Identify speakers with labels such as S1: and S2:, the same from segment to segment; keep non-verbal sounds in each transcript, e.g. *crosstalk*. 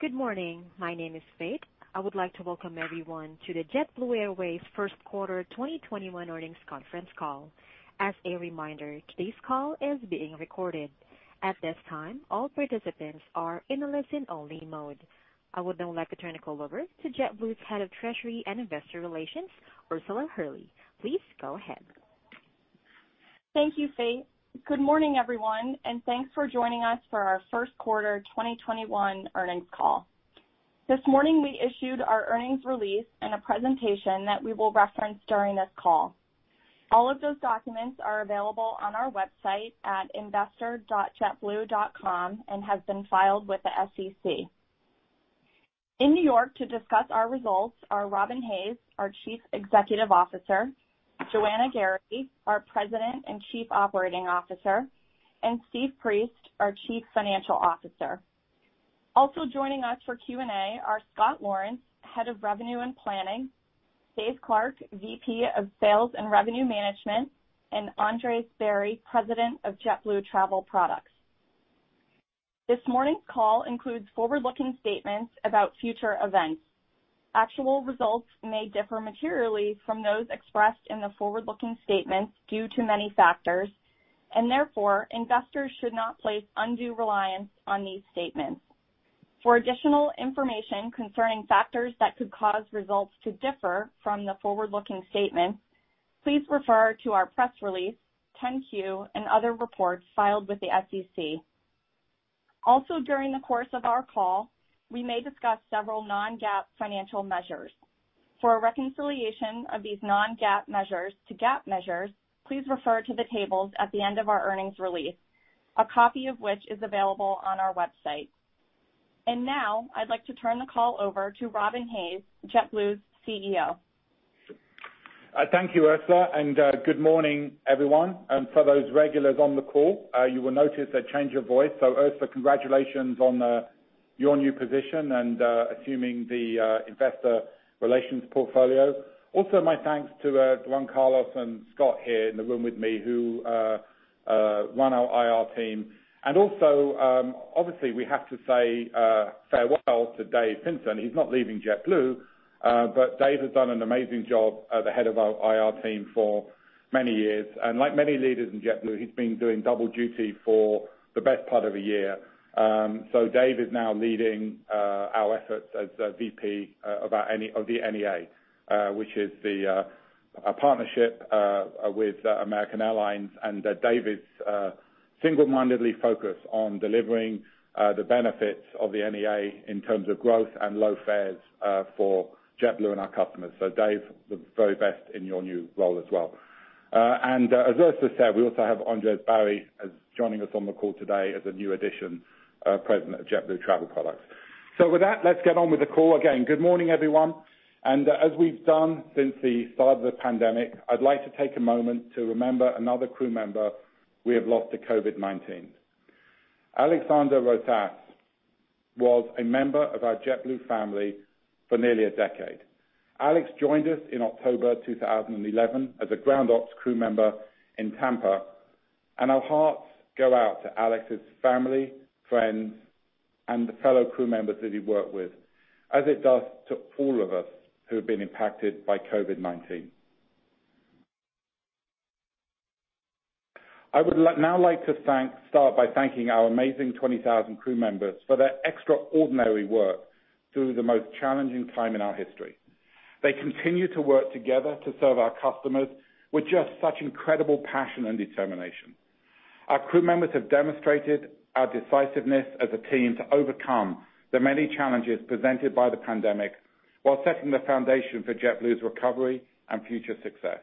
S1: Good morning. My name is Faith. I would like to welcome everyone to the JetBlue Airways first quarter 2021 earnings conference call. As a reminder, today's call is being recorded. At this time, all participants are in a listen-only mode. I would now like to turn the call over to JetBlue's Head of Treasury and Investor Relations, Ursula Hurley. Please go ahead.
S2: Thank you, Faith. Good morning, everyone, and thanks for joining us for our first quarter 2021 earnings call. This morning, we issued our earnings release and a presentation that we will reference during this call. All of those documents are available on our website at investor.jetblue.com and have been filed with the SEC. In New York to discuss our results are Robin Hayes, our Chief Executive Officer; Joanna Geraghty, our President and Chief Operating Officer; and Steve Priest, our Chief Financial Officer. Also joining us for Q&A are Scott Laurence, Head of Revenue and Planning; Dave Clark, VP of Sales and Revenue Management; and Andres Barry, President of JetBlue Travel Products. This morning's call includes forward-looking statements about future events. Actual results may differ materially from those expressed in the forward-looking statements due to many factors, and therefore, investors should not place undue reliance on these statements. For additional information concerning factors that could cause results to differ from the forward-looking statement, please refer to our press release, 10-Q, and other reports filed with the SEC. During the course of our call, we may discuss several non-GAAP financial measures. For a reconciliation of these non-GAAP measures to GAAP measures, please refer to the tables at the end of our earnings release, a copy of which is available on our website. Now I'd like to turn the call over to Robin Hayes, JetBlue's CEO.
S3: Thank you, Ursula, and good morning, everyone. For those regulars on the call, you will notice a change of voice, so Ursula, congratulations on your new position and assuming the investor relations portfolio. My thanks to Juan Carlos and Scott here in the room with me who run our IR team. Obviously, we have to say farewell to Dave Fintzen. He's not leaving JetBlue, but Dave has done an amazing job as the head of our IR team for many years. Like many leaders in JetBlue, he's been doing double duty for the best part of a year. Dave is now leading our efforts as VP of the NEA, which is the partnership with American Airlines, and Dave is single-mindedly focused on delivering the benefits of the NEA in terms of growth and low fares for JetBlue and our customers. Dave, the very best in your new role as well. As Ursula said, we also have Andres Barry joining us on the call today as a new addition, President of JetBlue Travel Products. With that, let's get on with the call. Again, good morning, everyone, and as we've done since the start of the pandemic, I'd like to take a moment to remember another crew member we have lost to COVID-19. Alexander Rotas was a member of our JetBlue family for nearly a decade. Alex joined us in October 2011 as a ground ops crew member in Tampa, and our hearts go out to Alex's family, friends, and the fellow crew members that he worked with, as it does to all of us who have been impacted by COVID-19. I would now like to start by thanking our amazing 20,000 crew members for their extraordinary work through the most challenging time in our history. They continue to work together to serve our customers with just such incredible passion and determination. Our crew members have demonstrated a decisiveness as a team to overcome the many challenges presented by the pandemic while setting the foundation for JetBlue's recovery and future success.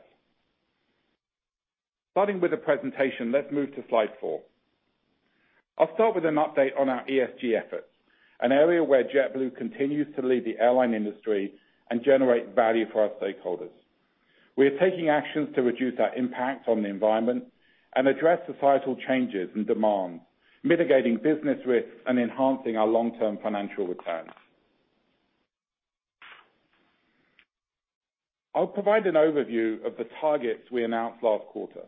S3: Starting with the presentation, let's move to slide four. I'll start with an update on our ESG efforts, an area where JetBlue continues to lead the airline industry and generate value for our stakeholders. We are taking actions to reduce our impact on the environment and address societal changes in demand, mitigating business risks, and enhancing our long-term financial returns. I'll provide an overview of the targets we announced last quarter.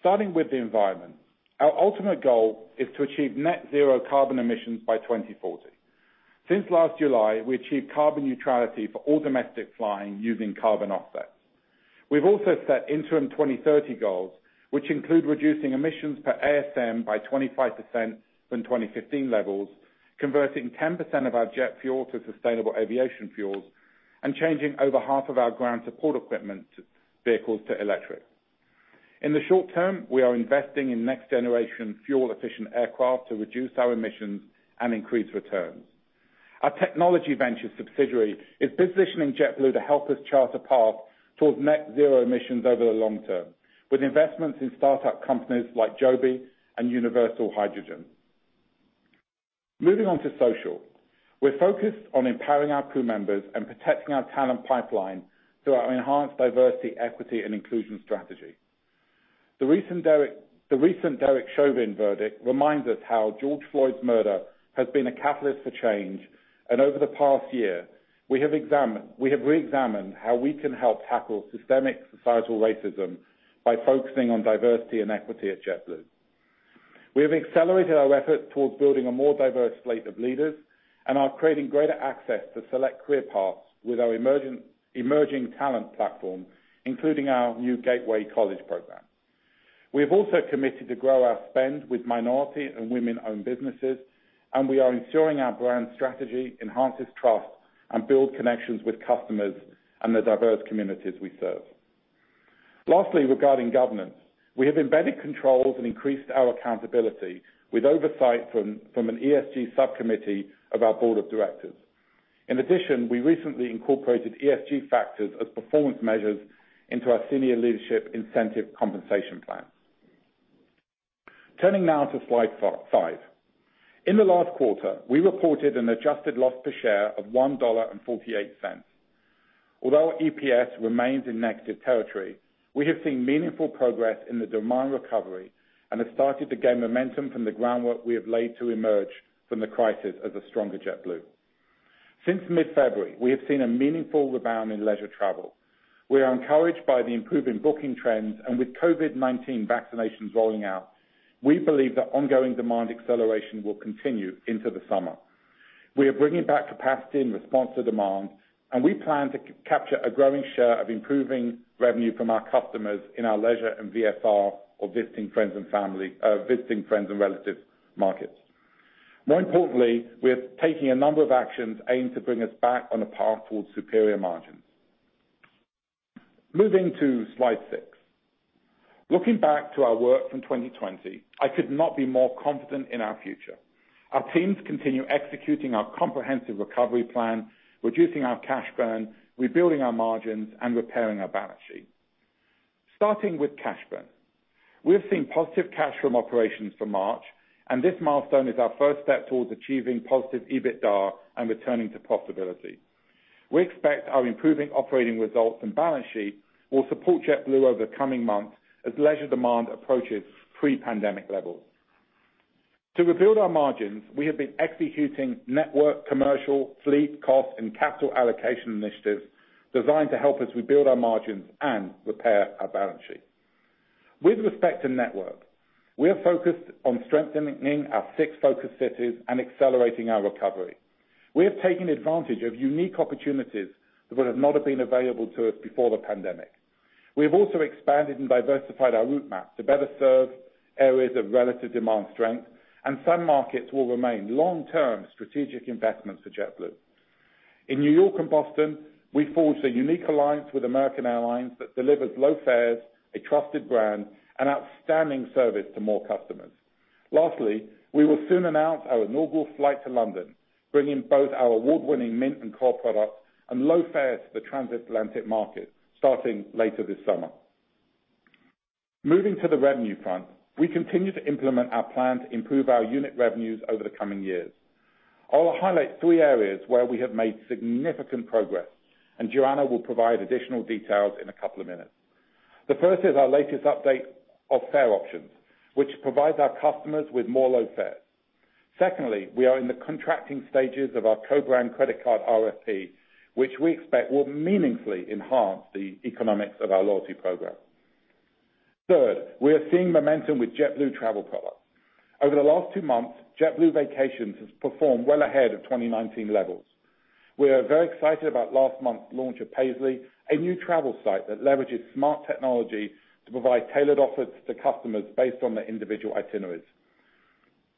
S3: Starting with the environment, our ultimate goal is to achieve net zero carbon emissions by 2040. Since last July, we achieved carbon neutrality for all domestic flying using carbon offsets. We've also set interim 2030 goals, which include reducing emissions per ASM by 25% from 2015 levels, converting 10% of our jet fuel to sustainable aviation fuels, and changing over half of our ground support equipment vehicles to electric. In the short term, we are investing in next-generation fuel-efficient aircraft to reduce our emissions and increase returns. Our technology ventures subsidiary is positioning JetBlue to help us chart a path towards net zero emissions over the long term, with investments in startup companies like Joby and Universal Hydrogen. Moving on to social. We're focused on empowering our crew members and protecting our talent pipeline through our enhanced diversity, equity, and inclusion strategy. The recent Derek Chauvin verdict reminds us how George Floyd's murder has been a catalyst for change. Over the past year, we have re-examined how we can help tackle systemic societal racism by focusing on diversity and equity at JetBlue. We have accelerated our efforts towards building a more diverse slate of leaders and are creating greater access to select career paths with our emerging talent platform, including our new Gateway College program. We have also committed to grow our spend with minority and women-owned businesses, and we are ensuring our brand strategy enhances trust and build connections with customers and the diverse communities we serve. Lastly, regarding governance, we have embedded controls and increased our accountability with oversight from an ESG subcommittee of our board of directors. In addition, we recently incorporated ESG factors as performance measures into our senior leadership incentive compensation plan. Turning now to slide five. In the last quarter, we reported an adjusted loss per share of $1.48. Although our EPS remains in negative territory, we have seen meaningful progress in the demand recovery and have started to gain momentum from the groundwork we have laid to emerge from the crisis as a stronger JetBlue. Since mid-February, we have seen a meaningful rebound in leisure travel. We are encouraged by the improving booking trends, and with COVID-19 vaccinations rolling out, we believe that ongoing demand acceleration will continue into the summer. We are bringing back capacity in response to demand, and we plan to capture a growing share of improving revenue from our customers in our leisure and VFR or visiting friends and relatives markets. More importantly, we are taking a number of actions aimed to bring us back on a path towards superior margins. Moving to slide six. Looking back to our work from 2020, I could not be more confident in our future. Our teams continue executing our comprehensive recovery plan, reducing our cash burn, rebuilding our margins, and repairing our balance sheet. Starting with cash burn. We have seen positive cash from operations for March, and this milestone is our first step towards achieving positive EBITDA and returning to profitability. We expect our improving operating results and balance sheet will support JetBlue over the coming months as leisure demand approaches pre-pandemic levels. To rebuild our margins, we have been executing network, commercial, fleet, cost, and capital allocation initiatives designed to help us rebuild our margins and repair our balance sheet. With respect to network, we are focused on strengthening our six focus cities and accelerating our recovery. We have taken advantage of unique opportunities that would have not have been available to us before the pandemic. We have also expanded and diversified our route map to better serve areas of relative demand strength, and some markets will remain long-term strategic investments for JetBlue. In New York and Boston, we forged a unique alliance with American Airlines that delivers low fares, a trusted brand, and outstanding service to more customers. Lastly, we will soon announce our inaugural flight to London, bringing both our award-winning Mint and Core products and low fares to the transatlantic market, starting later this summer. Moving to the revenue front, we continue to implement our plan to improve our unit revenues over the coming years. I will highlight three areas where we have made significant progress, and Joanna will provide additional details in a couple of minutes. The first is our latest update of fare options, which provides our customers with more low fares. Secondly, we are in the contracting stages of our co-brand credit card RFP, which we expect will meaningfully enhance the economics of our loyalty program. Third, we are seeing momentum with JetBlue Travel Products. Over the last two months, JetBlue Vacations has performed well ahead of 2019 levels. We are very excited about last month's launch of Paisly, a new travel site that leverages smart technology to provide tailored offers to customers based on their individual itineraries.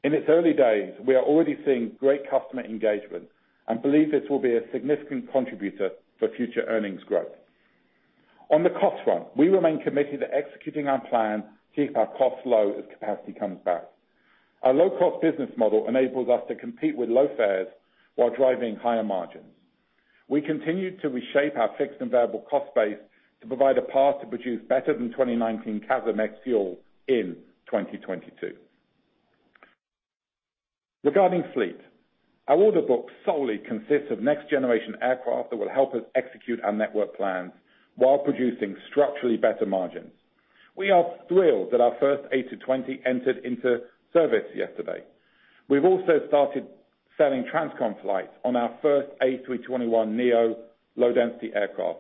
S3: In its early days, we are already seeing great customer engagement and believe this will be a significant contributor for future earnings growth. On the cost front, we remain committed to executing our plan to keep our costs low as capacity comes back. Our low-cost business model enables us to compete with low fares while driving higher margins. We continue to reshape our fixed and variable cost base to provide a path to produce better than 2019 CASM ex-fuel in 2022. Regarding fleet, our order book solely consists of next-generation aircraft that will help us execute our network plans while producing structurally better margins. We are thrilled that our first A220 entered into service yesterday. We've also started selling transcon flights on our first A321neo low-density aircraft.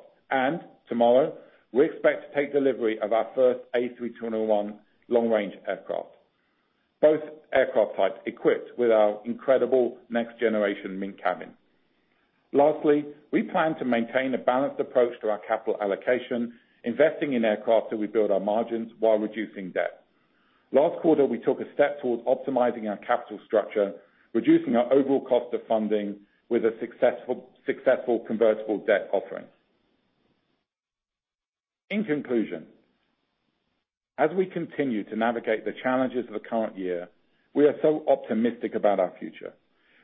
S3: Tomorrow, we expect to take delivery of our first A321LR aircraft, both aircraft types equipped with our incredible next-generation Mint cabin. Lastly, we plan to maintain a balanced approach to our capital allocation, investing in aircraft as we build our margins while reducing debt. Last quarter, we took a step towards optimizing our capital structure, reducing our overall cost of funding with a successful convertible debt offering. In conclusion, as we continue to navigate the challenges of the current year, we are so optimistic about our future.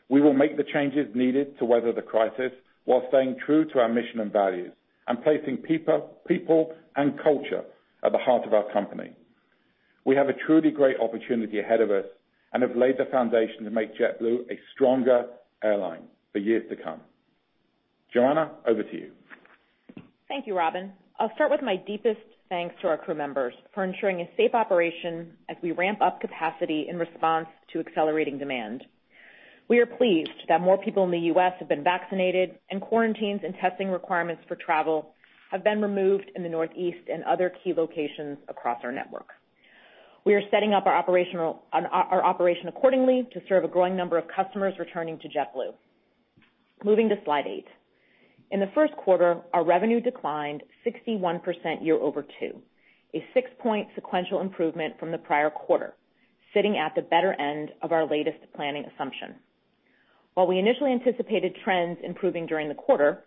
S3: We will make the changes needed to weather the crisis while staying true to our mission and values and placing people and culture at the heart of our company. We have a truly great opportunity ahead of us and have laid the foundation to make JetBlue a stronger airline for years to come. Joanna, over to you.
S4: Thank you, Robin. I'll start with my deepest thanks to our crew members for ensuring a safe operation as we ramp up capacity in response to accelerating demand. We are pleased that more people in the U.S. have been vaccinated. Quarantines and testing requirements for travel have been removed in the Northeast and other key locations across our network. We are setting up our operation accordingly to serve a growing number of customers returning to JetBlue. Moving to slide eight. In the first quarter, our revenue declined 61% year over two, a six-point sequential improvement from the prior quarter, sitting at the better end of our latest planning assumption. While we initially anticipated trends improving during the quarter,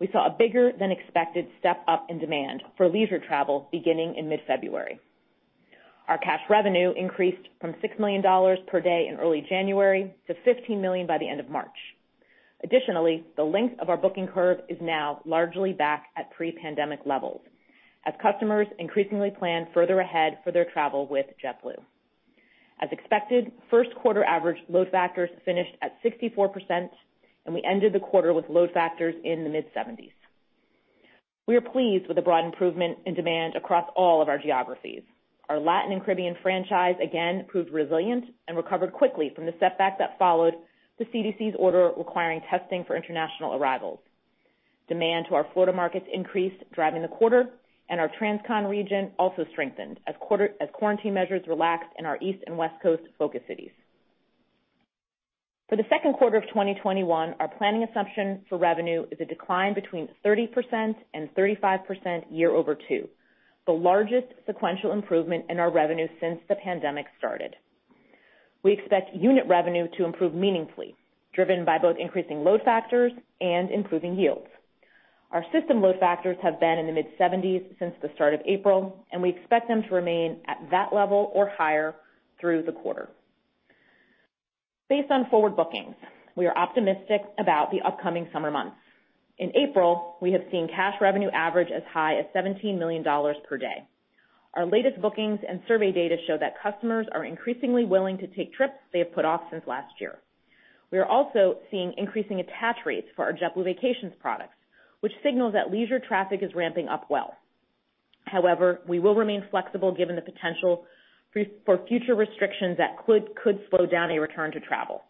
S4: we saw a bigger than expected step-up in demand for leisure travel beginning in mid-February. Our cash revenue increased from $6 million per day in early January to $15 million by the end of March. Additionally, the length of our booking curve is now largely back at pre-pandemic levels as customers increasingly plan further ahead for their travel with JetBlue. As expected, first quarter average load factors finished at 64%, and we ended the quarter with load factors in the mid-70s. We are pleased with the broad improvement in demand across all of our geographies. Our Latin and Caribbean franchise again proved resilient and recovered quickly from the setback that followed the CDC's order requiring testing for international arrivals. Demand to our Florida markets increased, driving the quarter, and our transcon region also strengthened as quarantine measures relaxed in our East and West Coast focus cities. For the second quarter of 2021, our planning assumption for revenue is a decline between 30% and 35% year over two, the largest sequential improvement in our revenue since the pandemic started. We expect unit revenue to improve meaningfully, driven by both increasing load factors and improving yields. Our system load factors have been in the mid-70s since the start of April, and we expect them to remain at that level or higher through the quarter. Based on forward bookings, we are optimistic about the upcoming summer months. In April, we have seen cash revenue average as high as $17 million per day. Our latest bookings and survey data show that customers are increasingly willing to take trips they have put off since last year. We are also seeing increasing attach rates for our JetBlue Vacations products, which signals that leisure traffic is ramping up well. However, we will remain flexible given the potential for future restrictions that could slow down a return to travel.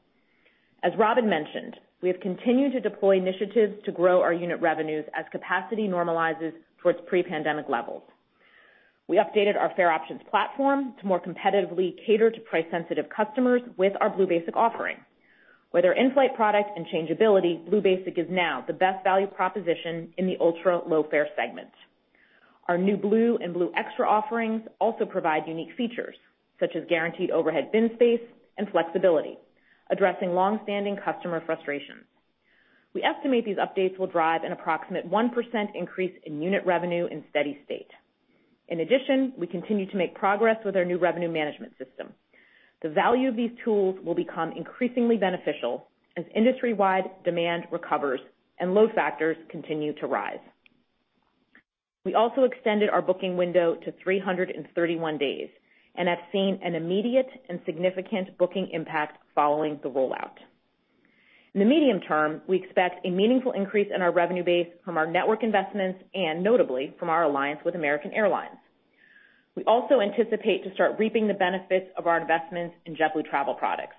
S4: As Robin mentioned, we have continued to deploy initiatives to grow our unit revenues as capacity normalizes towards pre-pandemic levels. We updated our fare options platform to more competitively cater to price-sensitive customers with our Blue Basic offering. With our in-flight product and changeability, Blue Basic is now the best value proposition in the ultra-low-fare segment. Our new Blue and Blue Extra offerings also provide unique features, such as guaranteed overhead bin space and flexibility, addressing long-standing customer frustrations. We estimate these updates will drive an approximate 1% increase in unit revenue in steady state. In addition, we continue to make progress with our new revenue management system. The value of these tools will become increasingly beneficial as industry-wide demand recovers and load factors continue to rise. We also extended our booking window to 331 days and have seen an immediate and significant booking impact following the rollout. In the medium term, we expect a meaningful increase in our revenue base from our network investments and notably from our alliance with American Airlines. We also anticipate to start reaping the benefits of our investments in JetBlue Travel Products.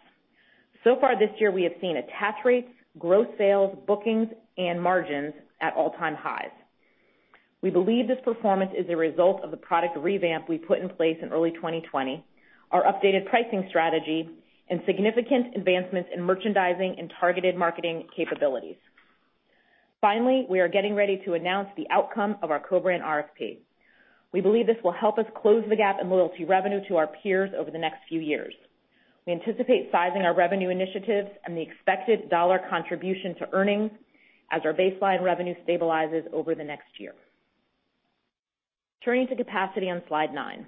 S4: So far this year, we have seen attach rates, growth sales, bookings, and margins at all-time highs. We believe this performance is a result of the product revamp we put in place in early 2020, our updated pricing strategy, and significant advancements in merchandising and targeted marketing capabilities. Finally, we are getting ready to announce the outcome of our co-brand RFP. We believe this will help us close the gap in loyalty revenue to our peers over the next few years. We anticipate sizing our revenue initiatives and the expected dollar contribution to earnings as our baseline revenue stabilizes over the next year. Turning to capacity on slide nine.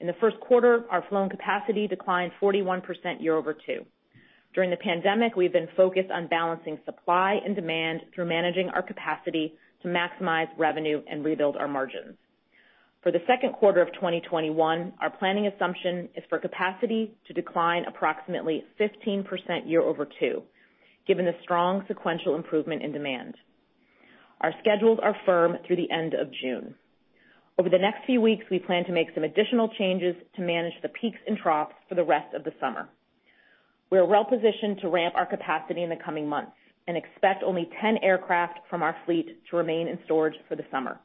S4: In the first quarter, our flown capacity declined 41% year-over-two. During the pandemic, we've been focused on balancing supply and demand through managing our capacity to maximize revenue and rebuild our margins. For the second quarter of 2021, our planning assumption is for capacity to decline approximately 15% year-over-two, given the strong sequential improvement in demand. Our schedules are firm through the end of June. Over the next few weeks, we plan to make some additional changes to manage the peaks and troughs for the rest of the summer. We are well-positioned to ramp our capacity in the coming months and expect only 10 aircraft from our fleet to remain in storage for the summer.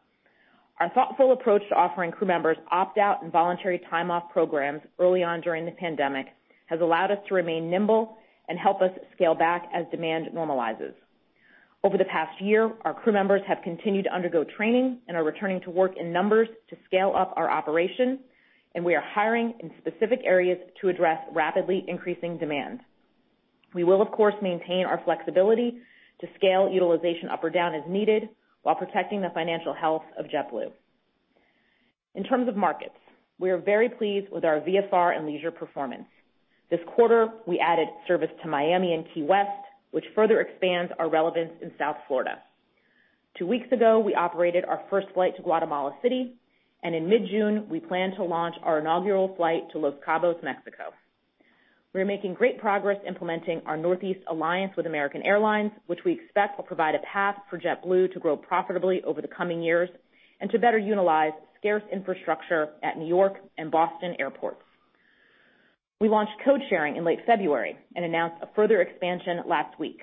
S4: Our thoughtful approach to offering crew members opt-out and voluntary time-off programs early on during the pandemic has allowed us to remain nimble and help us scale back as demand normalizes. Over the past year, our crew members have continued to undergo training and are returning to work in numbers to scale up our operation, and we are hiring in specific areas to address rapidly increasing demand. We will, of course, maintain our flexibility to scale utilization up or down as needed while protecting the financial health of JetBlue. In terms of markets, we are very pleased with our VFR and leisure performance. This quarter, we added service to Miami and Key West, which further expands our relevance in South Florida. Two weeks ago, we operated our first flight to Guatemala City, and in mid-June, we plan to launch our inaugural flight to Los Cabos, Mexico. We are making great progress implementing our Northeast Alliance with American Airlines, which we expect will provide a path for JetBlue to grow profitably over the coming years and to better utilize scarce infrastructure at New York and Boston airports. We launched code sharing in late February and announced a further expansion last week.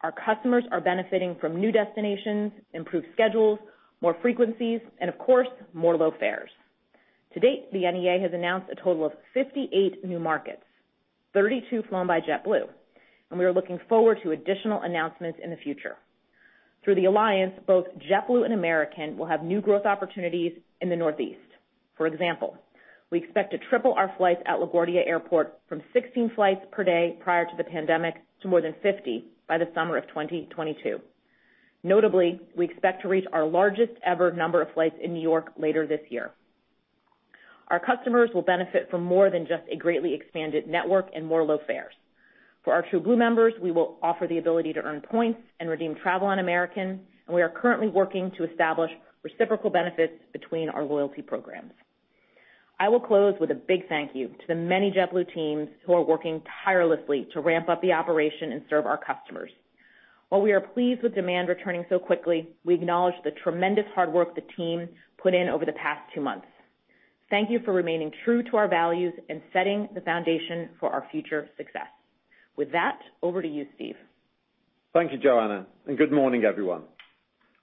S4: Our customers are benefiting from new destinations, improved schedules, more frequencies, and of course, more low fares. To date, the NEA has announced a total of 58 new markets, 32 flown by JetBlue, and we are looking forward to additional announcements in the future. Through the alliance, both JetBlue and American will have new growth opportunities in the Northeast. For example, we expect to triple our flights at LaGuardia Airport from 16 flights per day prior to the pandemic to more than 50 by the summer of 2022. Notably, we expect to reach our largest ever number of flights in New York later this year. Our customers will benefit from more than just a greatly expanded network and more low fares. For our TrueBlue members, we will offer the ability to earn points and redeem travel on American. We are currently working to establish reciprocal benefits between our loyalty programs. I will close with a big thank you to the many JetBlue teams who are working tirelessly to ramp up the operation and serve our customers. While we are pleased with demand returning so quickly, we acknowledge the tremendous hard work the team put in over the past two months. Thank you for remaining true to our values and setting the foundation for our future success. With that, over to you, Steve.
S5: Thank you, Joanna, and good morning, everyone.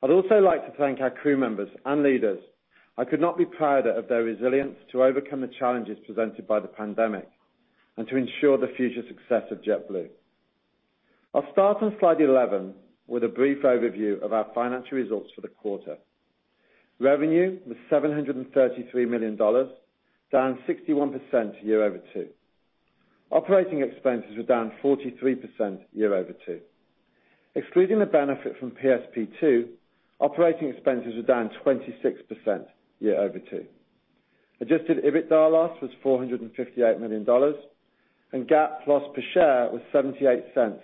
S5: I'd also like to thank our crew members and leaders. I could not be prouder of their resilience to overcome the challenges presented by the pandemic and to ensure the future success of JetBlue. I'll start on slide 11 with a brief overview of our financial results for the quarter. Revenue was $733 million, down 61% year over two. Operating expenses were down 43% year over two. Excluding the benefit from PSP2, operating expenses were down 26% year over two. Adjusted EBITDA loss was $458 million, and GAAP loss per share was $0.78,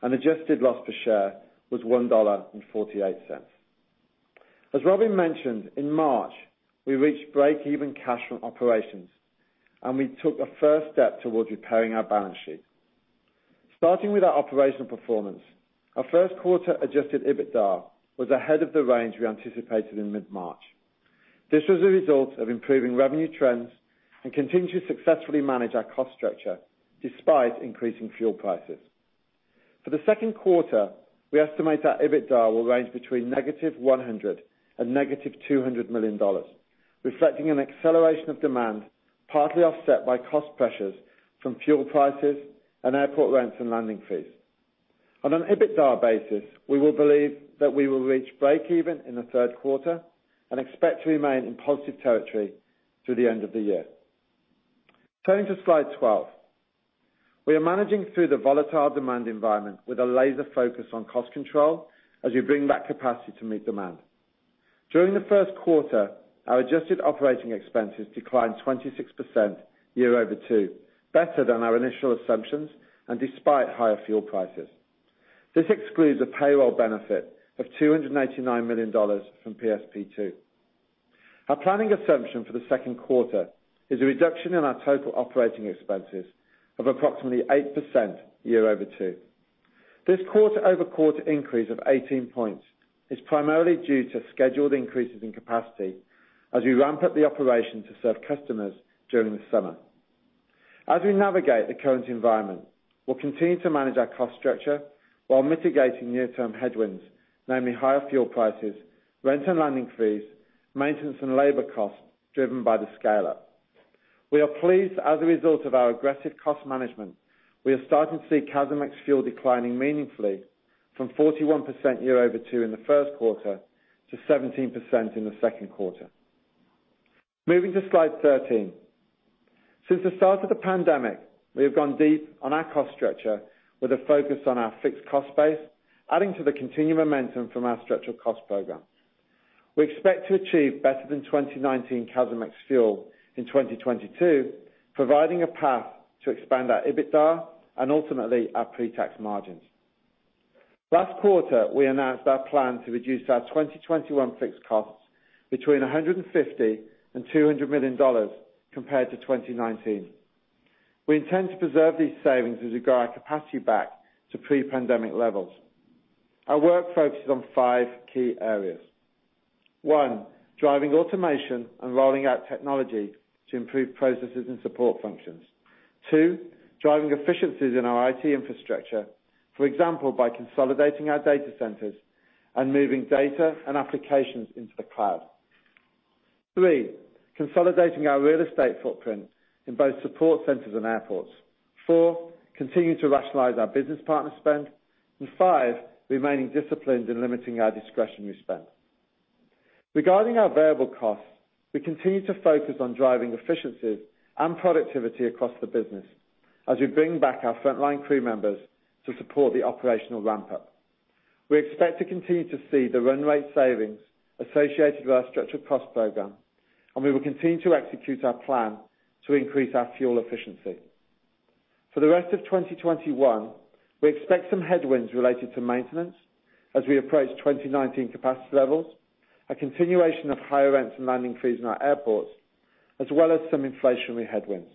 S5: and adjusted loss per share was $1.48. As Robin mentioned, in March, we reached break-even cash from operations, and we took a first step towards repairing our balance sheet. Starting with our operational performance, our first quarter adjusted EBITDA was ahead of the range we anticipated in mid-March. This was a result of improving revenue trends and continuing to successfully manage our cost structure despite increasing fuel prices. For the second quarter, we estimate that EBITDA will range between -$100 million and -$200 million, reflecting an acceleration of demand, partly offset by cost pressures from fuel prices and airport rents and landing fees. On an EBITDA basis, we believe that we will reach break-even in the third quarter and expect to remain in positive territory through the end of the year. Turning to slide 12. We are managing through the volatile demand environment with a laser focus on cost control as we bring back capacity to meet demand. During the first quarter, our adjusted operating expenses declined 26% year over two, better than our initial assumptions and despite higher fuel prices. This excludes a payroll benefit of $289 million from PSP2. Our planning assumption for the second quarter is a reduction in our total operating expenses of approximately 8% year-over-two. This quarter-over-quarter increase of 18 points is primarily due to scheduled increases in capacity as we ramp up the operation to serve customers during the summer. As we navigate the current environment, we'll continue to manage our cost structure while mitigating near-term headwinds, namely higher fuel prices, rent and landing fees, maintenance and labor costs driven by the scale-up. We are pleased as a result of our aggressive cost management, we are starting to see CASM ex-fuel declining meaningfully from 41% year-over-two in the first quarter to 17% in the second quarter. Moving to slide 13. Since the start of the pandemic, we have gone deep on our cost structure with a focus on our fixed cost base, adding to the continued momentum from our structural cost program. We expect to achieve better than 2019 CASM ex-fuel in 2022, providing a path to expand our EBITDA and ultimately our pre-tax margins. Last quarter, we announced our plan to reduce our 2021 fixed costs between $150 million and $200 million compared to 2019. We intend to preserve these savings as we grow our capacity back to pre-pandemic levels. Our work focuses on five key areas. One, driving automation and rolling out technology to improve processes and support functions. Two, driving efficiencies in our IT infrastructure, for example, by consolidating our data centers and moving data and applications into the cloud. Three, consolidating our real estate footprint in both support centers and airports. Four, continuing to rationalize our business partner spend. Five, remaining disciplined in limiting our discretionary spend. Regarding our variable costs, we continue to focus on driving efficiencies and productivity across the business as we bring back our frontline crew members to support the operational ramp-up. We expect to continue to see the run rate savings associated with our Structural Cost Program, and we will continue to execute our plan to increase our fuel efficiency. For the rest of 2021, we expect some headwinds related to maintenance as we approach 2019 capacity levels. A continuation of higher rents and landing fees in our airports, as well as some inflationary headwinds.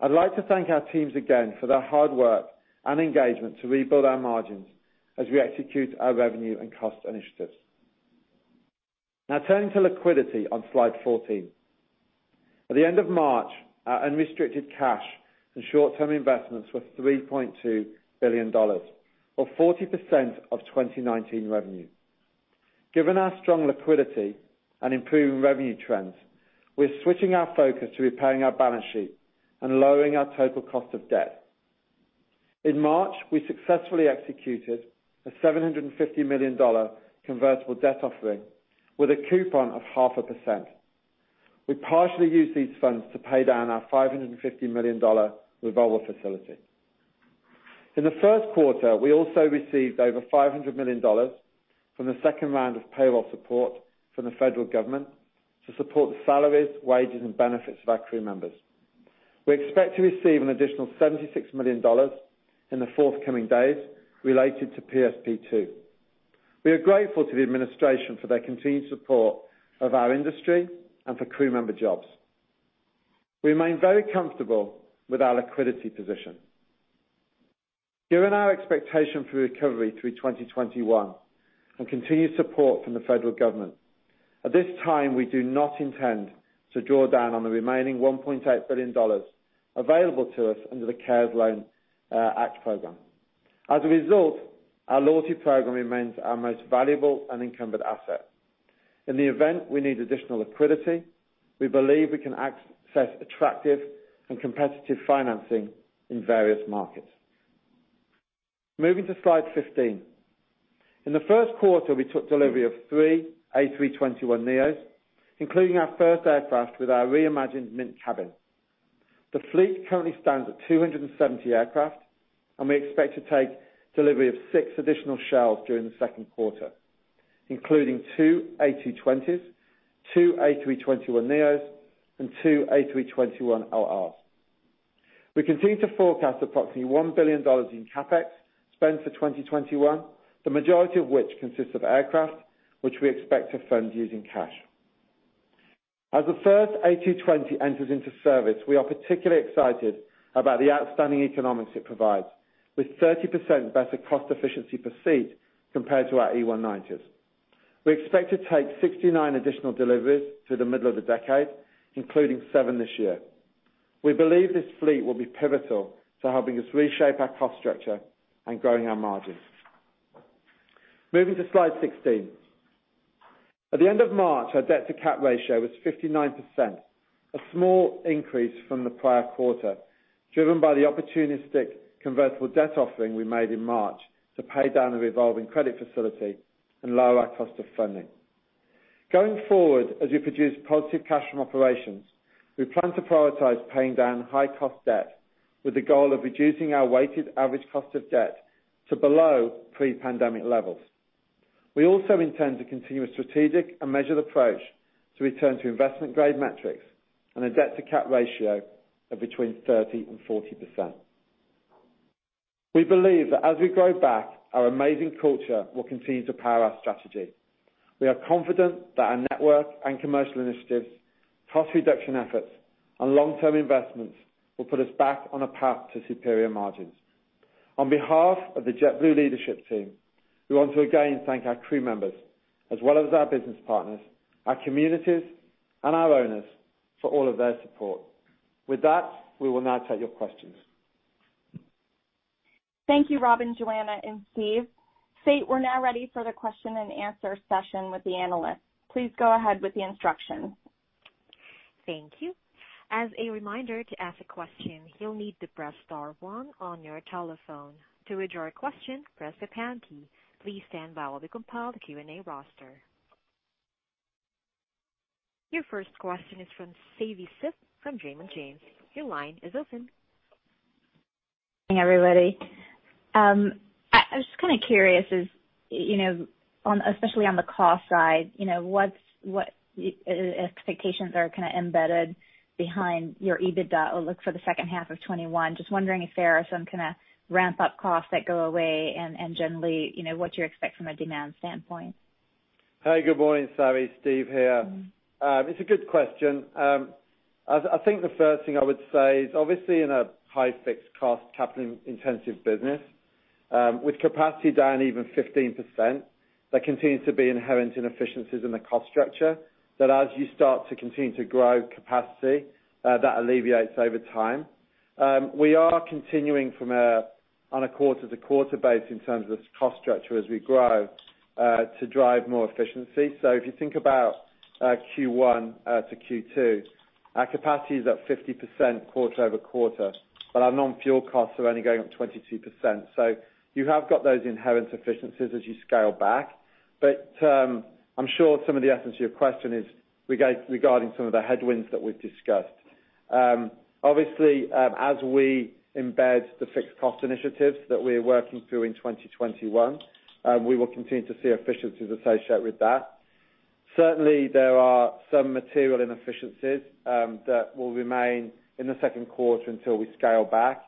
S5: I'd like to thank our teams again for their hard work and engagement to rebuild our margins as we execute our revenue and cost initiatives. Turning to liquidity on slide 14. At the end of March, our unrestricted cash and short-term investments were $3.2 billion, or 40% of 2019 revenue. Given our strong liquidity and improving revenue trends, we're switching our focus to repairing our balance sheet and lowering our total cost of debt. In March, we successfully executed a $750 million convertible debt offering with a coupon of 0.5%. We partially used these funds to pay down our $550 million revolver facility. In the first quarter, we also received over $500 million from the second round of payroll support from the federal government to support the salaries, wages, and benefits of our crew members. We expect to receive an additional $76 million in the forthcoming days related to PSP2. We are grateful to the administration for their continued support of our industry and for crew member jobs. We remain very comfortable with our liquidity position. Given our expectation for recovery through 2021 and continued support from the federal government, at this time, we do not intend to draw down on the remaining $1.8 billion available to us under the CARES Act program. As a result, our loyalty program remains our most valuable unencumbered asset. In the event we need additional liquidity, we believe we can access attractive and competitive financing in various markets. Moving to slide 15. In the first quarter, we took delivery of three A321neos, including our first aircraft with our reimagined Mint cabin. The fleet currently stands at 270 aircraft, and we expect to take delivery of six additional shells during the second quarter, including two A220s, two A321neos, and two A321LRs. We continue to forecast approximately $1 billion in CapEx spend for 2021, the majority of which consists of aircraft, which we expect to fund using cash. As the first A220 enters into service, we are particularly excited about the outstanding economics it provides, with 30% better cost efficiency per seat compared to our E190s. We expect to take 69 additional deliveries through the middle of the decade, including seven this year. We believe this fleet will be pivotal to helping us reshape our cost structure and growing our margins. Moving to slide 16. At the end of March, our debt-to-cap ratio was 59%, a small increase from the prior quarter, driven by the opportunistic convertible debt offering we made in March to pay down the revolving credit facility and lower our cost of funding. Going forward, as we produce positive cash from operations, we plan to prioritize paying down high-cost debt with the goal of reducing our weighted average cost of debt to below pre-pandemic levels. We also intend to continue a strategic and measured approach to return to investment-grade metrics and a debt-to-cap ratio of between 30% and 40%. We believe that as we grow back, our amazing culture will continue to power our strategy. We are confident that our network and commercial initiatives, cost reduction efforts, and long-term investments will put us back on a path to superior margins. On behalf of the JetBlue leadership team, we want to again thank our crew members, as well as our business partners, our communities, and our owners for all of their support. With that, we will now take your questions.
S2: Thank you, Robin, Joanna, and Steve. Faith, we're now ready for the Q&A session with the analysts. Please go ahead with the instructions.
S1: Thank you. As a reminder, to ask a question, you will need to press star one on your telephone. To withdraw a question, press the pound key. Please stand by while we compile the Q&A roster. Your first question is from Savi Syth from Raymond James. Your line is open.
S6: Hey, everybody. I was just kind of curious, especially on the cost side, what expectations are kind of embedded behind your EBITDA outlook for the second half of 2021? Just wondering if there are some kind of ramp-up costs that go away and generally, what you expect from a demand standpoint.
S5: Hey, good morning, Savi. Steve here. It's a good question. I think the first thing I would say is obviously in a high fixed cost, capital-intensive business with capacity down even 15%, there continues to be inherent inefficiencies in the cost structure that as you start to continue to grow capacity, that alleviates over time. We are continuing from a on a quarter-to-quarter base in terms of cost structure as we grow to drive more efficiency. If you think about Q1 to Q2, our capacity is up 50% quarter-over-quarter, but our non-fuel costs are only going up 22%. You have got those inherent efficiencies as you scale back. I'm sure some of the essence of your question is regarding some of the headwinds that we've discussed. As we embed the fixed cost initiatives that we're working through in 2021, we will continue to see efficiencies associated with that. There are some material inefficiencies that will remain in the second quarter until we scale back.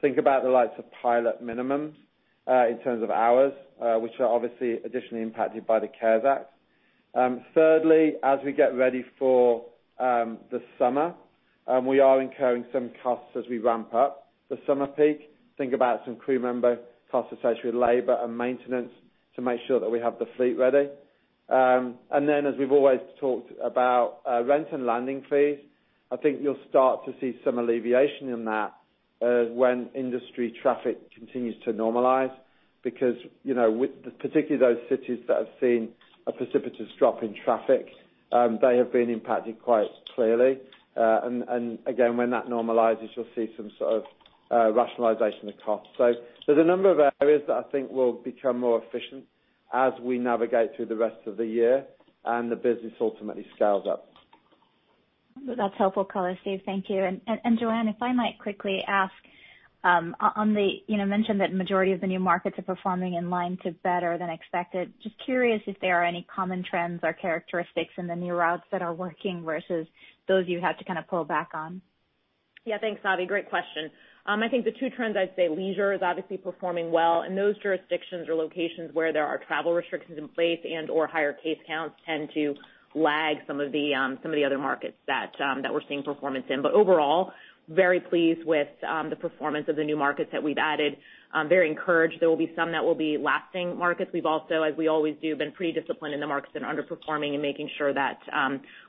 S5: Think about the likes of pilot minimums in terms of hours, which are obviously additionally impacted by the CARES Act. As we get ready for the summer, we are incurring some costs as we ramp up the summer peak. Think about some crew member costs associated with labor and maintenance to make sure that we have the fleet ready. As we've always talked about, rent and landing fees, I think you'll start to see some alleviation in that when industry traffic continues to normalize. Particularly those cities that have seen a precipitous drop in traffic, they have been impacted quite clearly. Again, when that normalizes, you'll see some sort of rationalization of cost. There's a number of areas that I think will become more efficient as we navigate through the rest of the year and the business ultimately scales up.
S6: That's helpful color, Steve. Thank you. Joanna, if I might quickly ask, you mentioned that majority of the new markets are performing in line to better than expected. Just curious if there are any common trends or characteristics in the new routes that are working versus those you had to kind of pull back on.
S4: Thanks, Savi. Great question. I think the two trends, I'd say leisure is obviously performing well, and those jurisdictions or locations where there are travel restrictions in place and/or higher case counts tend to lag some of the other markets that we're seeing performance in. Overall, very pleased with the performance of the new markets that we've added. Very encouraged there will be some that will be lasting markets. We've also, as we always do, been pretty disciplined in the markets that are underperforming and making sure that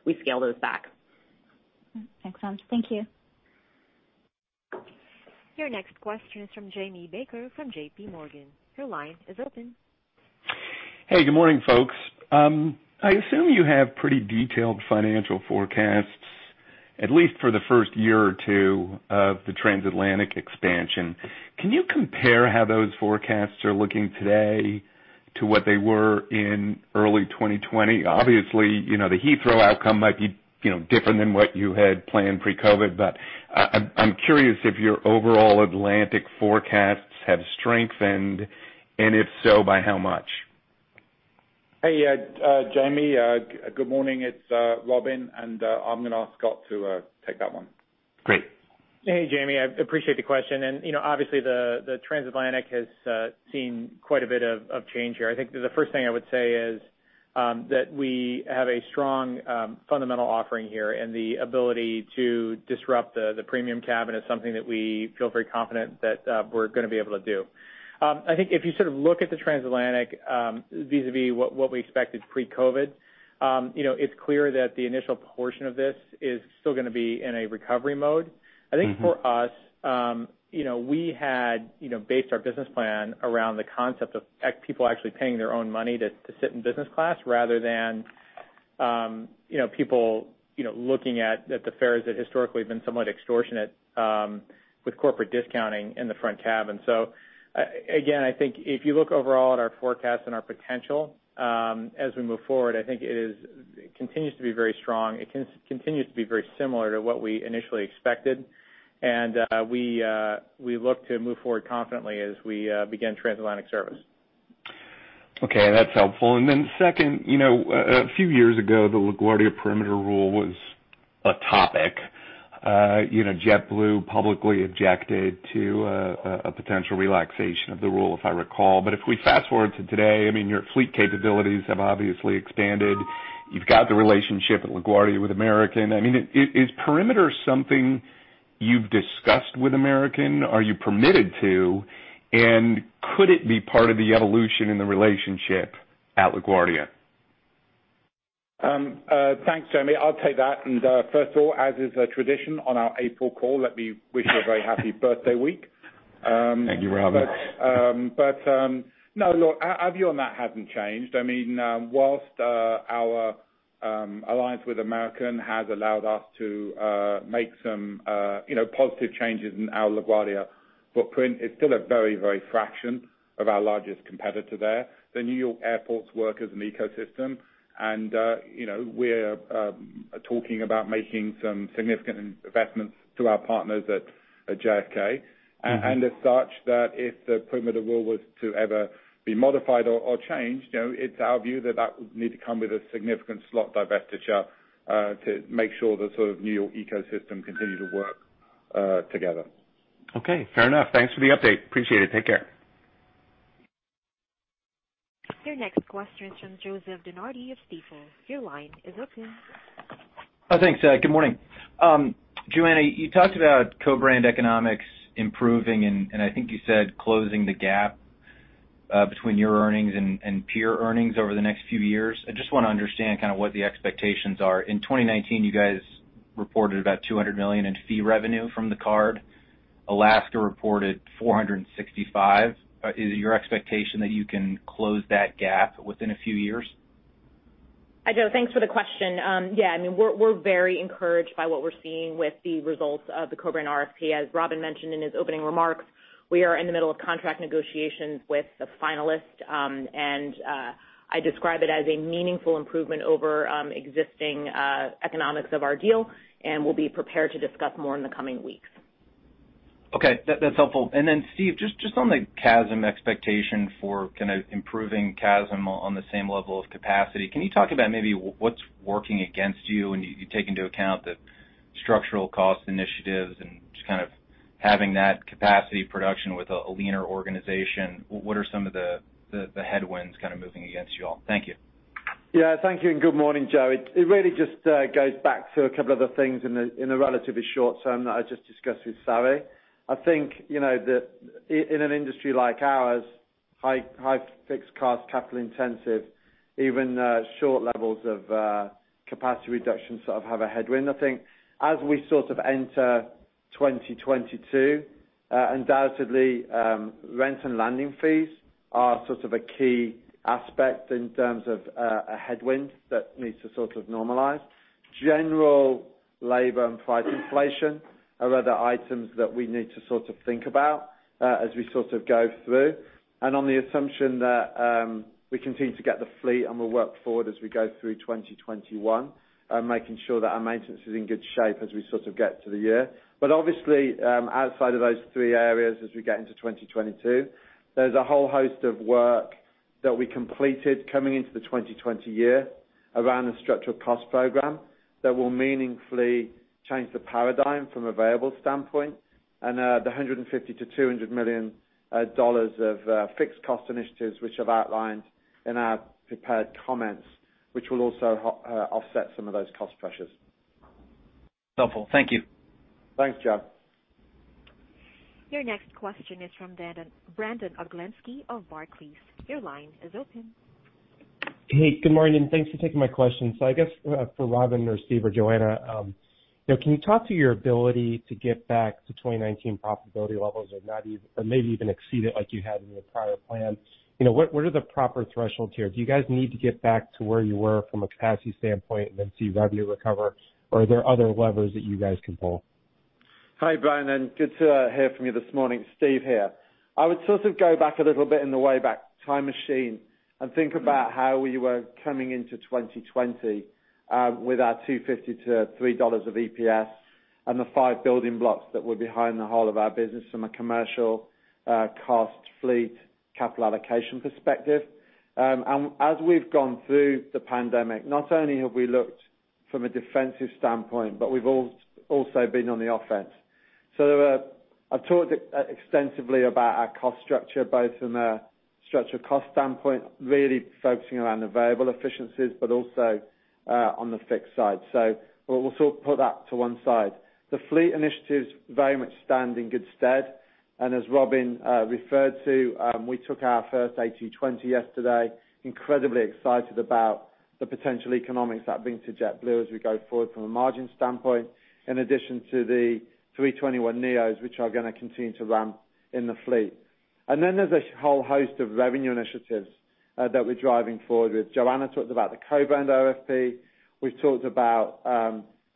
S4: we scale those back.
S6: Thanks. Thank you.
S1: Your next question is from Jamie Baker from JPMorgan. Your line is open.
S7: Hey, good morning, folks. I assume you have pretty detailed financial forecasts, at least for the first year or two of the transatlantic expansion. Can you compare how those forecasts are looking today to what they were in early 2020? Obviously, the Heathrow outcome might be different than what you had planned pre-COVID, but I'm curious if your overall Atlantic forecasts have strengthened, and if so, by how much?
S3: Hey, Jamie. Good morning. It's Robin. I'm going to ask Scott to take that one.
S7: Great.
S8: Hey, Jamie. I appreciate the question, and obviously the transatlantic has seen quite a bit of change here. I think the first thing I would say is that we have a strong fundamental offering here, and the ability to disrupt the premium cabin is something that we feel very confident that we're going to be able to do. I think if you sort of look at the transatlantic vis-a-vis what we expected pre-COVID, it's clear that the initial portion of this is still going to be in a recovery mode. I think for us, we had based our business plan around the concept of people actually paying their own money to sit in business class rather than people looking at the fares that historically have been somewhat extortionate with corporate discounting in the front cabin. Again, I think if you look overall at our forecast and our potential as we move forward, I think it continues to be very strong. It continues to be very similar to what we initially expected, and we look to move forward confidently as we begin transatlantic service.
S7: That's helpful. Second, a few years ago, the LaGuardia perimeter rule was a topic. JetBlue publicly objected to a potential relaxation of the rule, if I recall. If we fast-forward to today, your fleet capabilities have obviously expanded. You've got the relationship at LaGuardia with American. Is perimeter something you've discussed with American? Are you permitted to, and could it be part of the evolution in the relationship at LaGuardia?
S3: Thanks, Jamie. I'll take that. First of all, as is tradition on our April call, let me wish you a very happy birthday week.
S7: Thank you, Robin.
S3: No, look, our view on that hasn't changed. While our alliance with American has allowed us to make some positive changes in our LaGuardia footprint, it's still a very fraction of our largest competitor there. The New York airports work as an ecosystem, we're talking about making some significant investments to our partners at JFK. As such, that if the perimeter rule was to ever be modified or changed, it's our view that that would need to come with a significant slot divestiture to make sure the sort of New York ecosystem continued to work together.
S7: Okay. Fair enough. Thanks for the update. Appreciate it. Take care.
S1: Your next question is from Joseph DeNardi of Stifel. Your line is open.
S9: Thanks. Good morning. Joanna, you talked about co-brand economics improving, and I think you said closing the gap between your earnings and peer earnings over the next few years. I just want to understand kind of what the expectations are. In 2019, you guys reported about $200 million in fee revenue from the card. Alaska reported $465. Is it your expectation that you can close that gap within a few years?
S4: Hi, Joe. Thanks for the question. Yeah, we're very encouraged by what we're seeing with the results of the co-brand RFP. As Robin mentioned in his opening remarks, we are in the middle of contract negotiations with the finalists. I describe it as a meaningful improvement over existing economics of our deal, and we'll be prepared to discuss more in the coming weeks.
S9: Okay. That's helpful. Then Steve, just on the CASM expectation for kind of improving CASM on the same level of capacity, can you talk about maybe what's working against you when you take into account that structural cost initiatives and just kind of having that capacity production with a leaner organization, what are some of the headwinds kind of moving against you all? Thank you.
S5: Thank you, and good morning, Joe. It really just goes back to a couple other things in the relatively short term that I just discussed with Savi. I think that in an industry like ours, high fixed cost, capital intensive, even short levels of capacity reduction sort of have a headwind. I think as we sort of enter 2022, undoubtedly, rent and landing fees are sort of a key aspect in terms of a headwind that needs to sort of normalize. General labor and price inflation are other items that we need to sort of think about as we sort of go through. On the assumption that we continue to get the fleet and we'll work forward as we go through 2021, making sure that our maintenance is in good shape as we sort of get to the year. Obviously, outside of those three areas, as we get into 2022, there's a whole host of work that we completed coming into the 2020 year around the structural cost program that will meaningfully change the paradigm from a variable standpoint, and the $150 million-$200 million of fixed cost initiatives which I've outlined in our prepared comments, which will also offset some of those cost pressures.
S9: Helpful. Thank you.
S5: Thanks, Joe.
S1: Your next question is from Brandon Oglenski of Barclays. Your line is open.
S10: Good morning, and thanks for taking my question. I guess for Robin or Steve or Joanna, can you talk to your ability to get back to 2019 profitability levels or maybe even exceed it like you had in the prior plan? What are the proper thresholds here? Do you guys need to get back to where you were from a capacity standpoint and then see revenue recover? Are there other levers that you guys can pull?
S5: Hi, Brandon. Good to hear from you this morning. Steve here. I would sort of go back a little bit in the way back time machine and think about how we were coming into 2020 with our $2.50-$3 of EPS and the five building blocks that were behind the whole of our business from a commercial, cost, fleet, capital allocation perspective. As we've gone through the pandemic, not only have we looked from a defensive standpoint, but we've also been on the offense. I've talked extensively about our cost structure, both from a structural cost standpoint, really focusing around the variable efficiencies, but also on the fixed side. We'll sort of put that to one side. The fleet initiatives very much stand in good stead. As Robin referred to, we took our first A220 yesterday. Incredibly excited about the potential economics that bring to JetBlue as we go forward from a margin standpoint, in addition to the 321neos, which are going to continue to ramp in the fleet. There's a whole host of revenue initiatives that we're driving forward with. Joanna talked about the co-brand RFP. We've talked about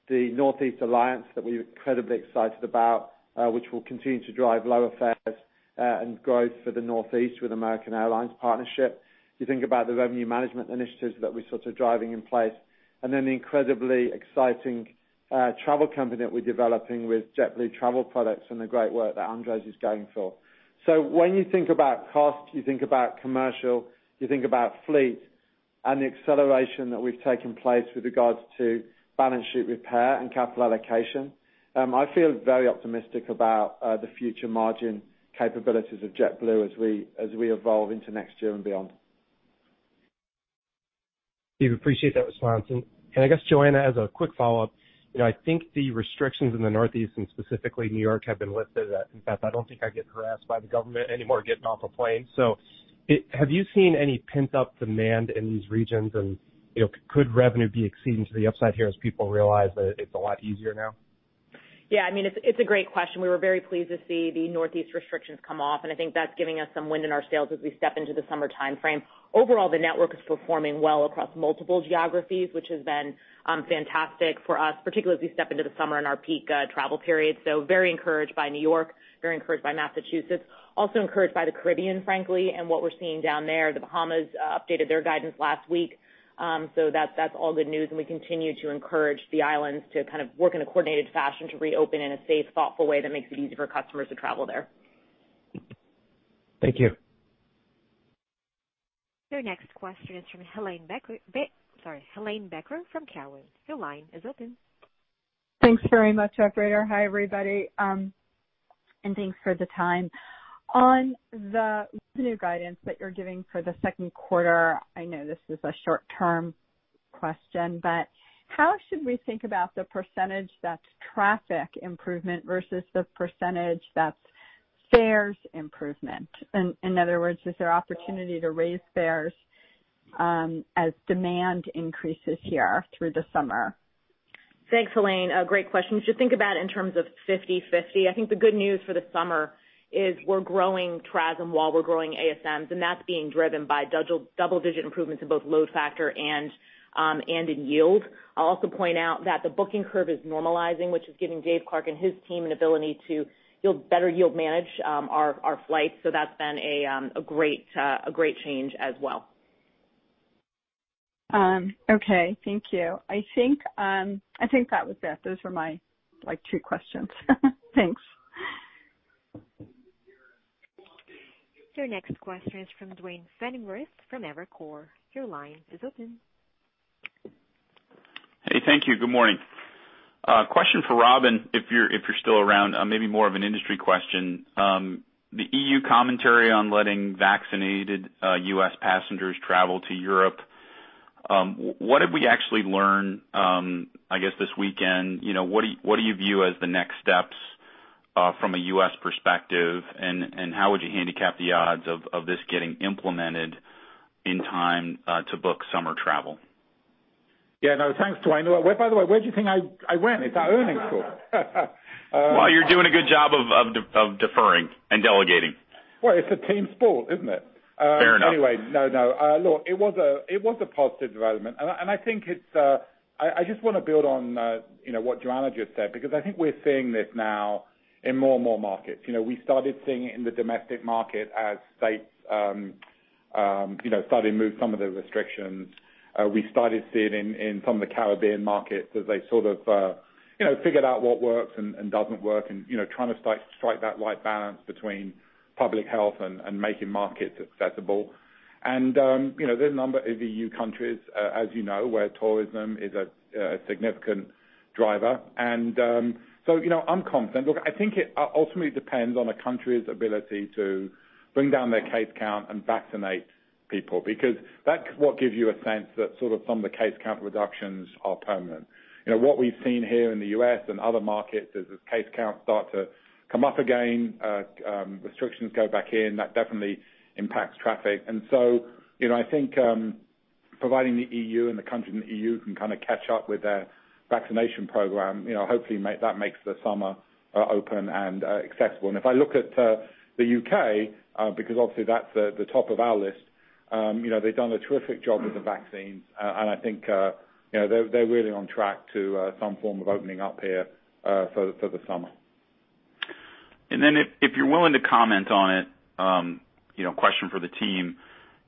S5: the Northeast Alliance that we're incredibly excited about, which will continue to drive lower fares and growth for the Northeast with American Airlines partnership. You think about the revenue management initiatives that we're sort of driving in place, and then the incredibly exciting travel company that we're developing with JetBlue Travel Products and the great work that Andres is going for. When you think about cost, you think about commercial, you think about fleet, and the acceleration that we've taken place with regards to balance sheet repair and capital allocation. I feel very optimistic about the future margin capabilities of JetBlue as we evolve into next year and beyond.
S10: Steve, appreciate that response. I guess, Joanna, as a quick follow-up, I think the restrictions in the Northeast and specifically New York have been lifted. In fact, I don't think I get harassed by the government anymore getting off a plane. Have you seen any pent-up demand in these regions? Could revenue be exceeding to the upside here as people realize that it's a lot easier now?
S4: Yeah, it's a great question. We were very pleased to see the Northeast restrictions come off. I think that's giving us some wind in our sails as we step into the summer timeframe. Overall, the network is performing well across multiple geographies, which has been fantastic for us, particularly as we step into the summer and our peak travel period. Very encouraged by New York, very encouraged by Massachusetts, also encouraged by the Caribbean, frankly, and what we're seeing down there. The Bahamas updated their guidance last week. That's all good news. We continue to encourage the islands to kind of work in a coordinated fashion to reopen in a safe, thoughtful way that makes it easy for customers to travel there.
S10: Thank you.
S1: Your next question is from Helane Becker from Cowen. Your line is open.
S11: Thanks very much, operator. Hi, everybody, thanks for the time. On the new guidance that you're giving for the second quarter, I know this is a short-term question, how should we think about the percentage that's traffic improvement versus the percentage that's fares improvement? In other words, is there opportunity to raise fares as demand increases here through the summer?
S4: Thanks, Helane. Great question. You should think about it in terms of 50/50. The good news for the summer is we're growing TRASM while we're growing ASMs, that's being driven by double-digit improvements in both load factor and in yield. I'll also point out that the booking curve is normalizing, which is giving Dave Clark and his team an ability to better yield manage our flights. That's been a great change as well.
S11: Okay. Thank you. I think that was it. Those were my two questions. Thanks.
S1: Your next question is from Duane Pfennigwerth from Evercore. Your line is open.
S12: Hey, thank you. Good morning. Question for Robin, if you're still around, maybe more of an industry question. The EU commentary on letting vaccinated U.S. passengers travel to Europe, what did we actually learn, I guess, this weekend? What do you view as the next steps from a U.S. perspective, and how would you handicap the odds of this getting implemented in time to book summer travel?
S3: Yeah, no, thanks, Duane. By the way, where did you think I went? It's our earnings call.
S12: Well, you're doing a good job of deferring and delegating.
S3: Well, it's a team sport, isn't it?
S12: Fair enough.
S3: Anyway. No. Look, it was a positive development. I just want to build on what Joanna just said, because I think we're seeing this now in more and more markets. We started seeing it in the domestic market as states started to move some of the restrictions. We started seeing in some of the Caribbean markets as they sort of figured out what works and doesn't work and trying to strike that right balance between public health and making markets accessible. There's a number of EU countries, as you know, where tourism is a significant driver. I'm confident. Look, I think it ultimately depends on a country's ability to bring down their case count and vaccinate people, because that's what gives you a sense that some of the case count reductions are permanent. What we've seen here in the U.S. and other markets is as case counts start to come up again, restrictions go back in. That definitely impacts traffic. I think providing the EU and the countries in the EU can kind of catch up with their vaccination program, hopefully that makes the summer open and accessible. If I look at the U.K., because obviously that's the top of our list, they've done a terrific job with the vaccines, and I think they're really on track to some form of opening up here for the summer.
S12: If you're willing to comment on it, question for the team,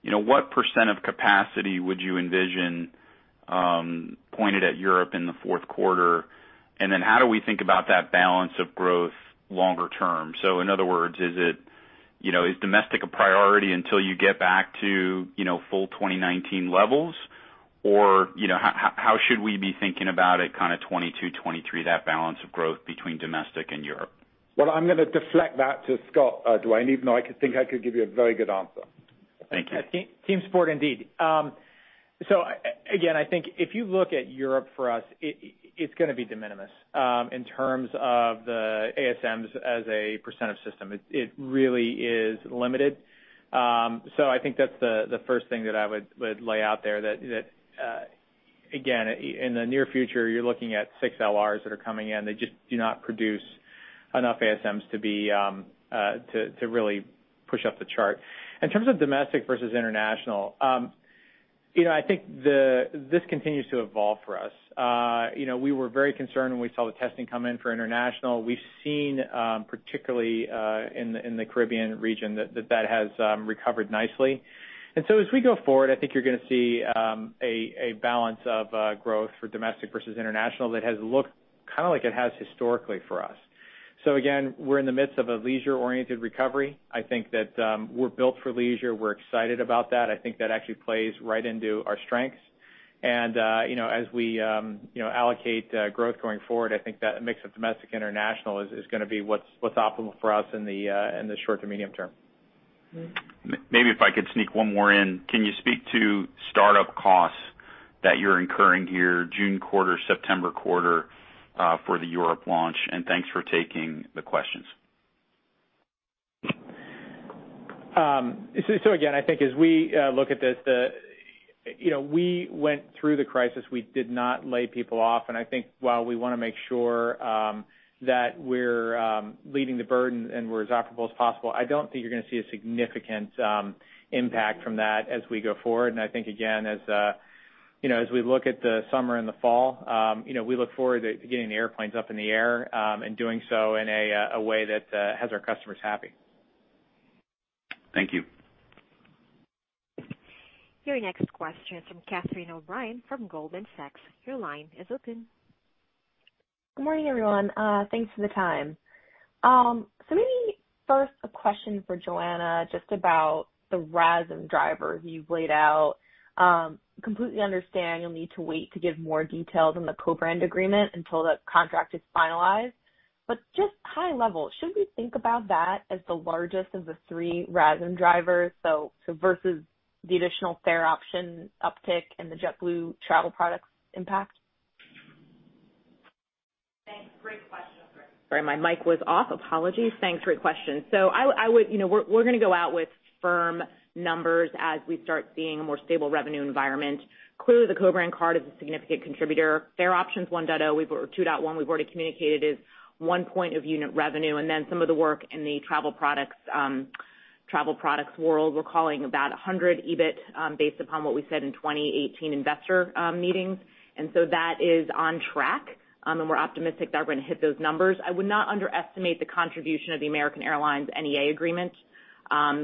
S12: what percent of capacity would you envision pointed at Europe in the fourth quarter? How do we think about that balance of growth longer term? In other words, is domestic a priority until you get back to full 2019 levels, or how should we be thinking about it kind of 2022, 2023, that balance of growth between domestic and Europe?
S3: Well, I'm going to deflect that to Scott, Duane, even though I think I could give you a very good answer.
S12: Thank you.
S8: Team sport, indeed. Again, I think if you look at Europe for us, it's going to be de minimis in terms of the ASMs as a percent of system. It really is limited. I think that's the first thing that I would lay out there, that again, in the near future, you're looking at 6 LRs that are coming in. They just do not produce enough ASMs to really push up the chart. In terms of domestic versus international, I think this continues to evolve for us. We were very concerned when we saw the testing come in for international. We've seen, particularly in the Caribbean region, that that has recovered nicely. As we go forward, I think you're going to see a balance of growth for domestic versus international that has looked kind of like it has historically for us. Again, we're in the midst of a leisure-oriented recovery. I think that we're built for leisure. We're excited about that. I think that actually plays right into our strengths. As we allocate growth going forward, I think that mix of domestic/international is going to be what's optimal for us in the short to medium term.
S12: Maybe if I could sneak one more in. Can you speak to startup costs that you're incurring here, June quarter, September quarter, for the Europe launch? Thanks for taking the questions.
S8: Again, I think as we look at this, we went through the crisis, we did not lay people off, and I think while we want to make sure that we're leading the burden and we're as operable as possible, I don't think you're going to see a significant impact from that as we go forward. I think, again, as we look at the summer and the fall, we look forward to getting the airplanes up in the air, and doing so in a way that has our customers happy.
S12: Thank you.
S1: Your next question is from Catherine O'Brien from Goldman Sachs. Your line is open.
S13: Good morning, everyone. Thanks for the time. Maybe first a question for Joanna, just about the RASM drivers you've laid out. Completely understand you'll need to wait to give more details on the co-brand agreement until that contract is finalized. Just high level, should we think about that as the largest of the three RASM drivers versus the additional fare option uptick and the JetBlue Travel Products impact?
S4: Thanks. Great question. Sorry, my mic was off. Apologies. Thanks. Great question. We're going to go out with firm numbers as we start seeing a more stable revenue environment. Clearly, the co-brand card is a significant contributor. Fare options 2.1, we've already communicated is one point of unit revenue, and then some of the work in the travel products world, we're calling about $100 EBIT, based upon what we said in 2018 investor meetings. That is on track, and we're optimistic that we're going to hit those numbers. I would not underestimate the contribution of the American Airlines NEA agreement,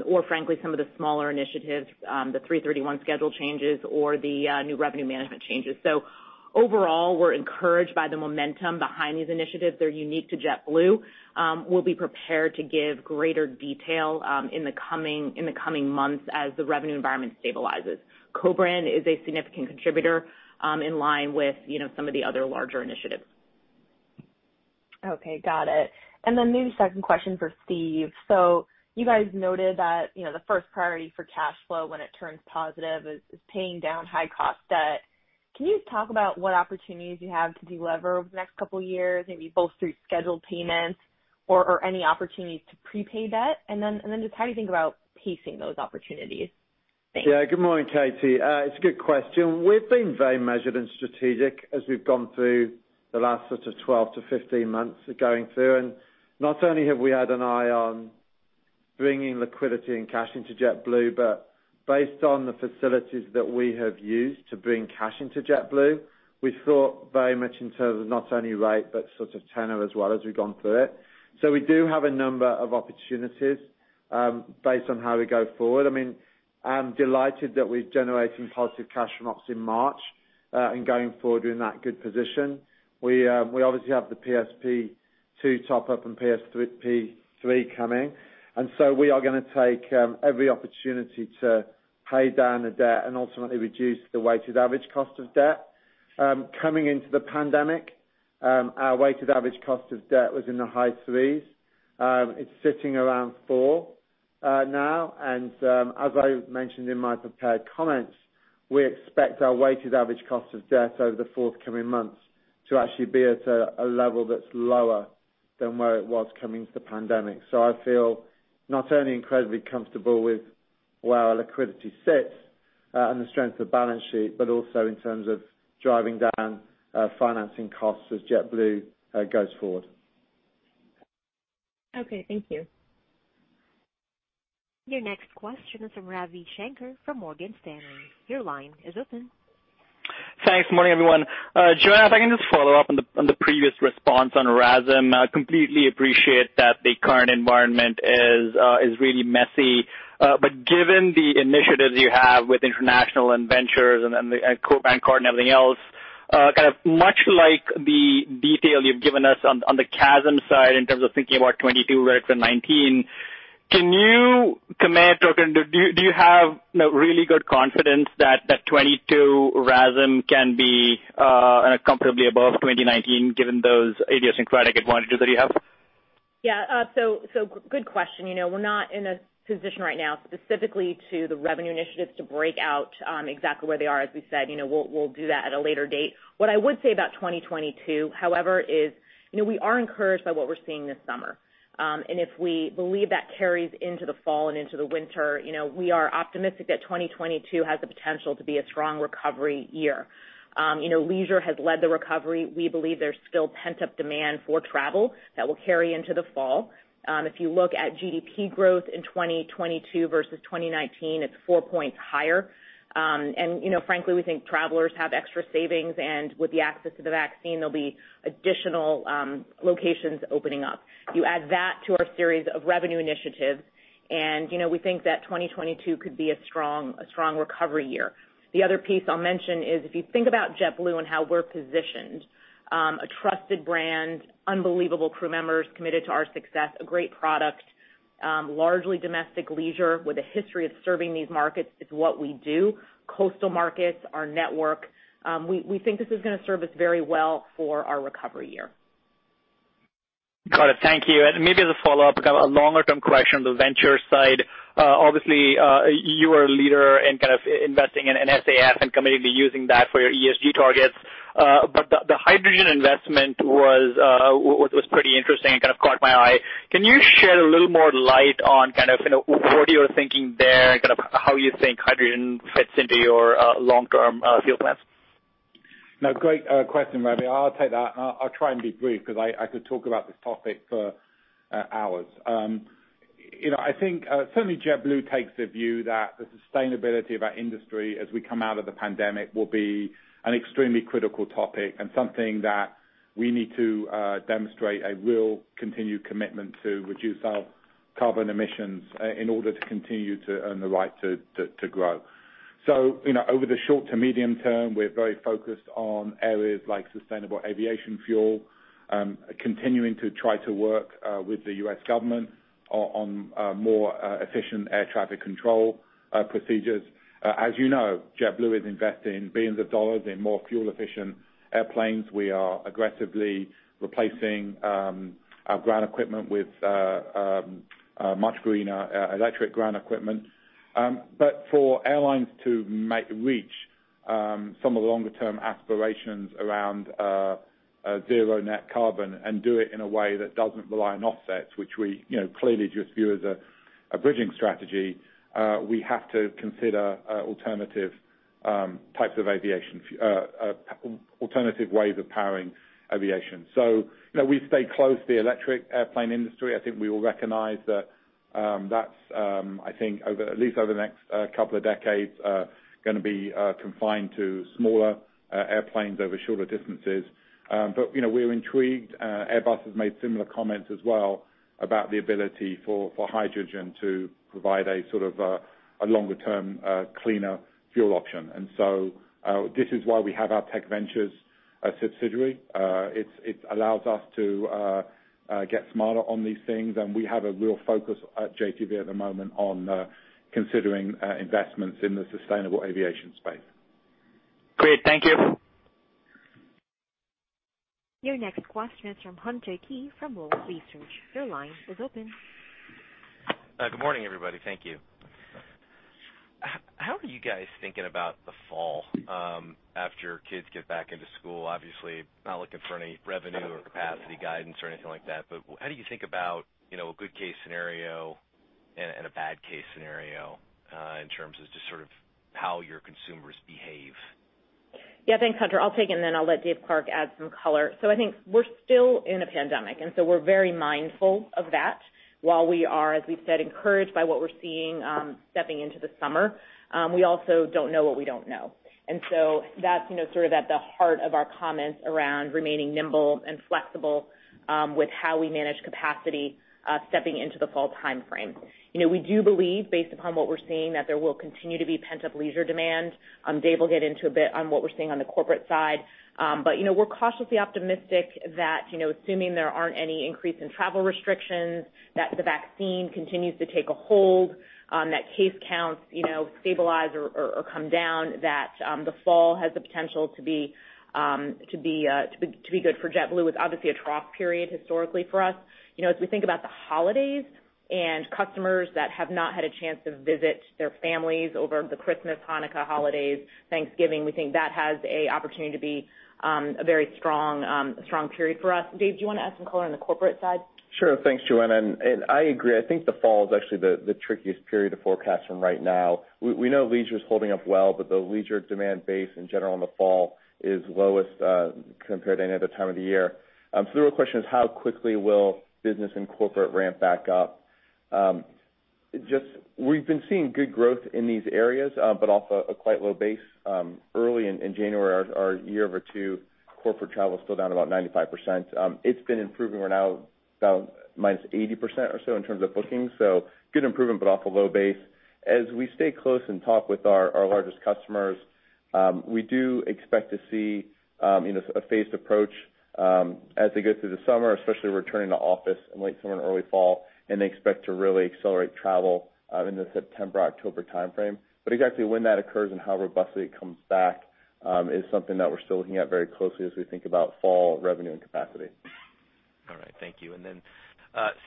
S4: or frankly, some of the smaller initiatives, the 331 schedule changes or the new revenue management changes. Overall, we're encouraged by the momentum behind these initiatives. They're unique to JetBlue. We'll be prepared to give greater detail in the coming months as the revenue environment stabilizes. Co-brand is a significant contributor in line with some of the other larger initiatives.
S13: Okay, got it. Maybe a second question for Steve. You guys noted that the first priority for cash flow when it turns positive is paying down high-cost debt. Can you talk about what opportunities you have to delever over the next couple of years, maybe both through scheduled payments or any opportunities to prepay debt? Then just how do you think about pacing those opportunities? Thanks.
S5: Good morning, Katie. It's a good question. We've been very measured and strategic as we've gone through the last sort of 12-15 months of going through, and not only have we had an eye on bringing liquidity and cash into JetBlue, but based on the facilities that we have used to bring cash into JetBlue, we've thought very much in terms of not only rate, but sort of tenor as well as we've gone through it. We do have a number of opportunities based on how we go forward. I'm delighted that we're generating positive cash from ops in March, and going forward in that good position. We obviously have the PSP2 top-up and PSP3 coming. We are going to take every opportunity to pay down the debt and ultimately reduce the weighted average cost of debt. Coming into the pandemic, our weighted average cost of debt was in the high threes. It's sitting around four now. As I mentioned in my prepared comments, we expect our weighted average cost of debt over the forthcoming months to actually be at a level that's lower than where it was coming into the pandemic. I feel not only incredibly comfortable with where our liquidity sits and the strength of the balance sheet, but also in terms of driving down financing costs as JetBlue goes forward.
S13: Okay, thank you.
S1: Your next question is from Ravi Shanker from Morgan Stanley. Your line is open.
S14: Thanks. Morning, everyone. Joanna, if I can just follow up on the previous response on RASM. I completely appreciate that the current environment is really messy. Given the initiatives you have with international and ventures and co-brand card and everything else, kind of much like the detail you've given us on the CASM side in terms of thinking about 2022 versus 2019, can you commit or do you have really good confidence that 2022 RASM can be comparably above 2019 given those idiosyncratic advantages that you have?
S4: Yeah. Good question. We're not in a position right now specifically to the revenue initiatives to break out exactly where they are. As we said, we'll do that at a later date. What I would say about 2022, however, is we are encouraged by what we're seeing this summer. If we believe that carries into the fall and into the winter, we are optimistic that 2022 has the potential to be a strong recovery year. Leisure has led the recovery. We believe there's still pent-up demand for travel that will carry into the fall. If you look at GDP growth in 2022 versus 2019, it's four points higher. Frankly, we think travelers have extra savings, and with the access to the vaccine, there'll be additional locations opening up. You add that to our series of revenue initiatives, and we think that 2022 could be a strong recovery year. The other piece I'll mention is if you think about JetBlue and how we're positioned, a trusted brand, unbelievable crew members committed to our success, a great product, largely domestic leisure with a history of serving these markets, it's what we do. Coastal markets, our network. We think this is going to serve us very well for our recovery year.
S14: Got it. Thank you. Maybe as a follow-up, a longer-term question on the venture side. Obviously, you are a leader in kind of investing in SAF and committing to using that for your ESG targets. The hydrogen investment was pretty interesting and kind of caught my eye. Can you shed a little more light on kind of what you're thinking there and kind of how you think hydrogen fits into your long-term fuel plans?
S5: No, great question, Ravi. I'll take that, and I'll try and be brief because I could talk about this topic for hours. I think certainly JetBlue takes the view that the sustainability of our industry as we come out of the pandemic will be an extremely critical topic and something that we need to demonstrate a real continued commitment to reduce our carbon emissions in order to continue to earn the right to grow. Over the short to medium term, we're very focused on areas like sustainable aviation fuel, continuing to try to work with the U.S. government on more efficient air traffic control procedures. As you know, JetBlue is investing billions of dollars in more fuel-efficient airplanes. We are aggressively replacing our ground equipment with much greener electric ground equipment. For airlines to reach some of the longer-term aspirations around zero net carbon and do it in a way that doesn't rely on offsets, which we clearly just view as a bridging strategy, we have to consider alternative ways of powering aviation. We stay close to the electric airplane industry. I think we all recognize That's, I think, at least over the next couple of decades, going to be confined to smaller airplanes over shorter distances. We are intrigued. Airbus has made similar comments as well about the ability for hydrogen to provide a sort of longer-term, cleaner fuel option. This is why we have our Technology Ventures subsidiary. It allows us to get smarter on these things, and we have a real focus at JTV at the moment on considering investments in the sustainable aviation space.
S14: Great. Thank you.
S1: Your next question is from Hunter Keay from Wolfe Research. Your line is open.
S15: Good morning, everybody. Thank you. How are you guys thinking about the fall after kids get back into school? Obviously, not looking for any revenue or capacity guidance or anything like that, but how do you think about a good case scenario and a bad case scenario, in terms of just sort of how your consumers behave?
S4: Yeah. Thanks, Hunter. I'll take it. I'll let Dave Clark add some color. I think we're still in a pandemic. We're very mindful of that. While we are, as we've said, encouraged by what we're seeing stepping into the summer, we also don't know what we don't know. That's sort of at the heart of our comments around remaining nimble and flexible with how we manage capacity stepping into the fall timeframe. We do believe, based upon what we're seeing, that there will continue to be pent-up leisure demand. Dave will get into a bit on what we're seeing on the corporate side. We're cautiously optimistic that assuming there aren't any increase in travel restrictions, that the vaccine continues to take a hold, that case counts stabilize or come down, that the fall has the potential to be good for JetBlue. It's obviously a trough period historically for us. As we think about the holidays and customers that have not had a chance to visit their families over the Christmas, Hanukkah holidays, Thanksgiving, we think that has an opportunity to be a very strong period for us. Dave, do you want to add some color on the corporate side?
S16: Sure. Thanks, Joanna. I agree. I think the fall is actually the trickiest period to forecast from right now. We know leisure is holding up well, but the leisure demand base in general in the fall is lowest compared to any other time of the year. The real question is how quickly will business and corporate ramp back up? We've been seeing good growth in these areas, but off a quite low base. Early in January, our year-over-two corporate travel is still down about 95%. It's been improving. We're now down -80% or so in terms of bookings, so good improvement, but off a low base. As we stay close and talk with our largest customers, we do expect to see a phased approach as they go through the summer, especially returning to office in late summer and early fall, they expect to really accelerate travel in the September, October timeframe. Exactly when that occurs and how robustly it comes back is something that we're still looking at very closely as we think about fall revenue and capacity.
S15: All right, thank you.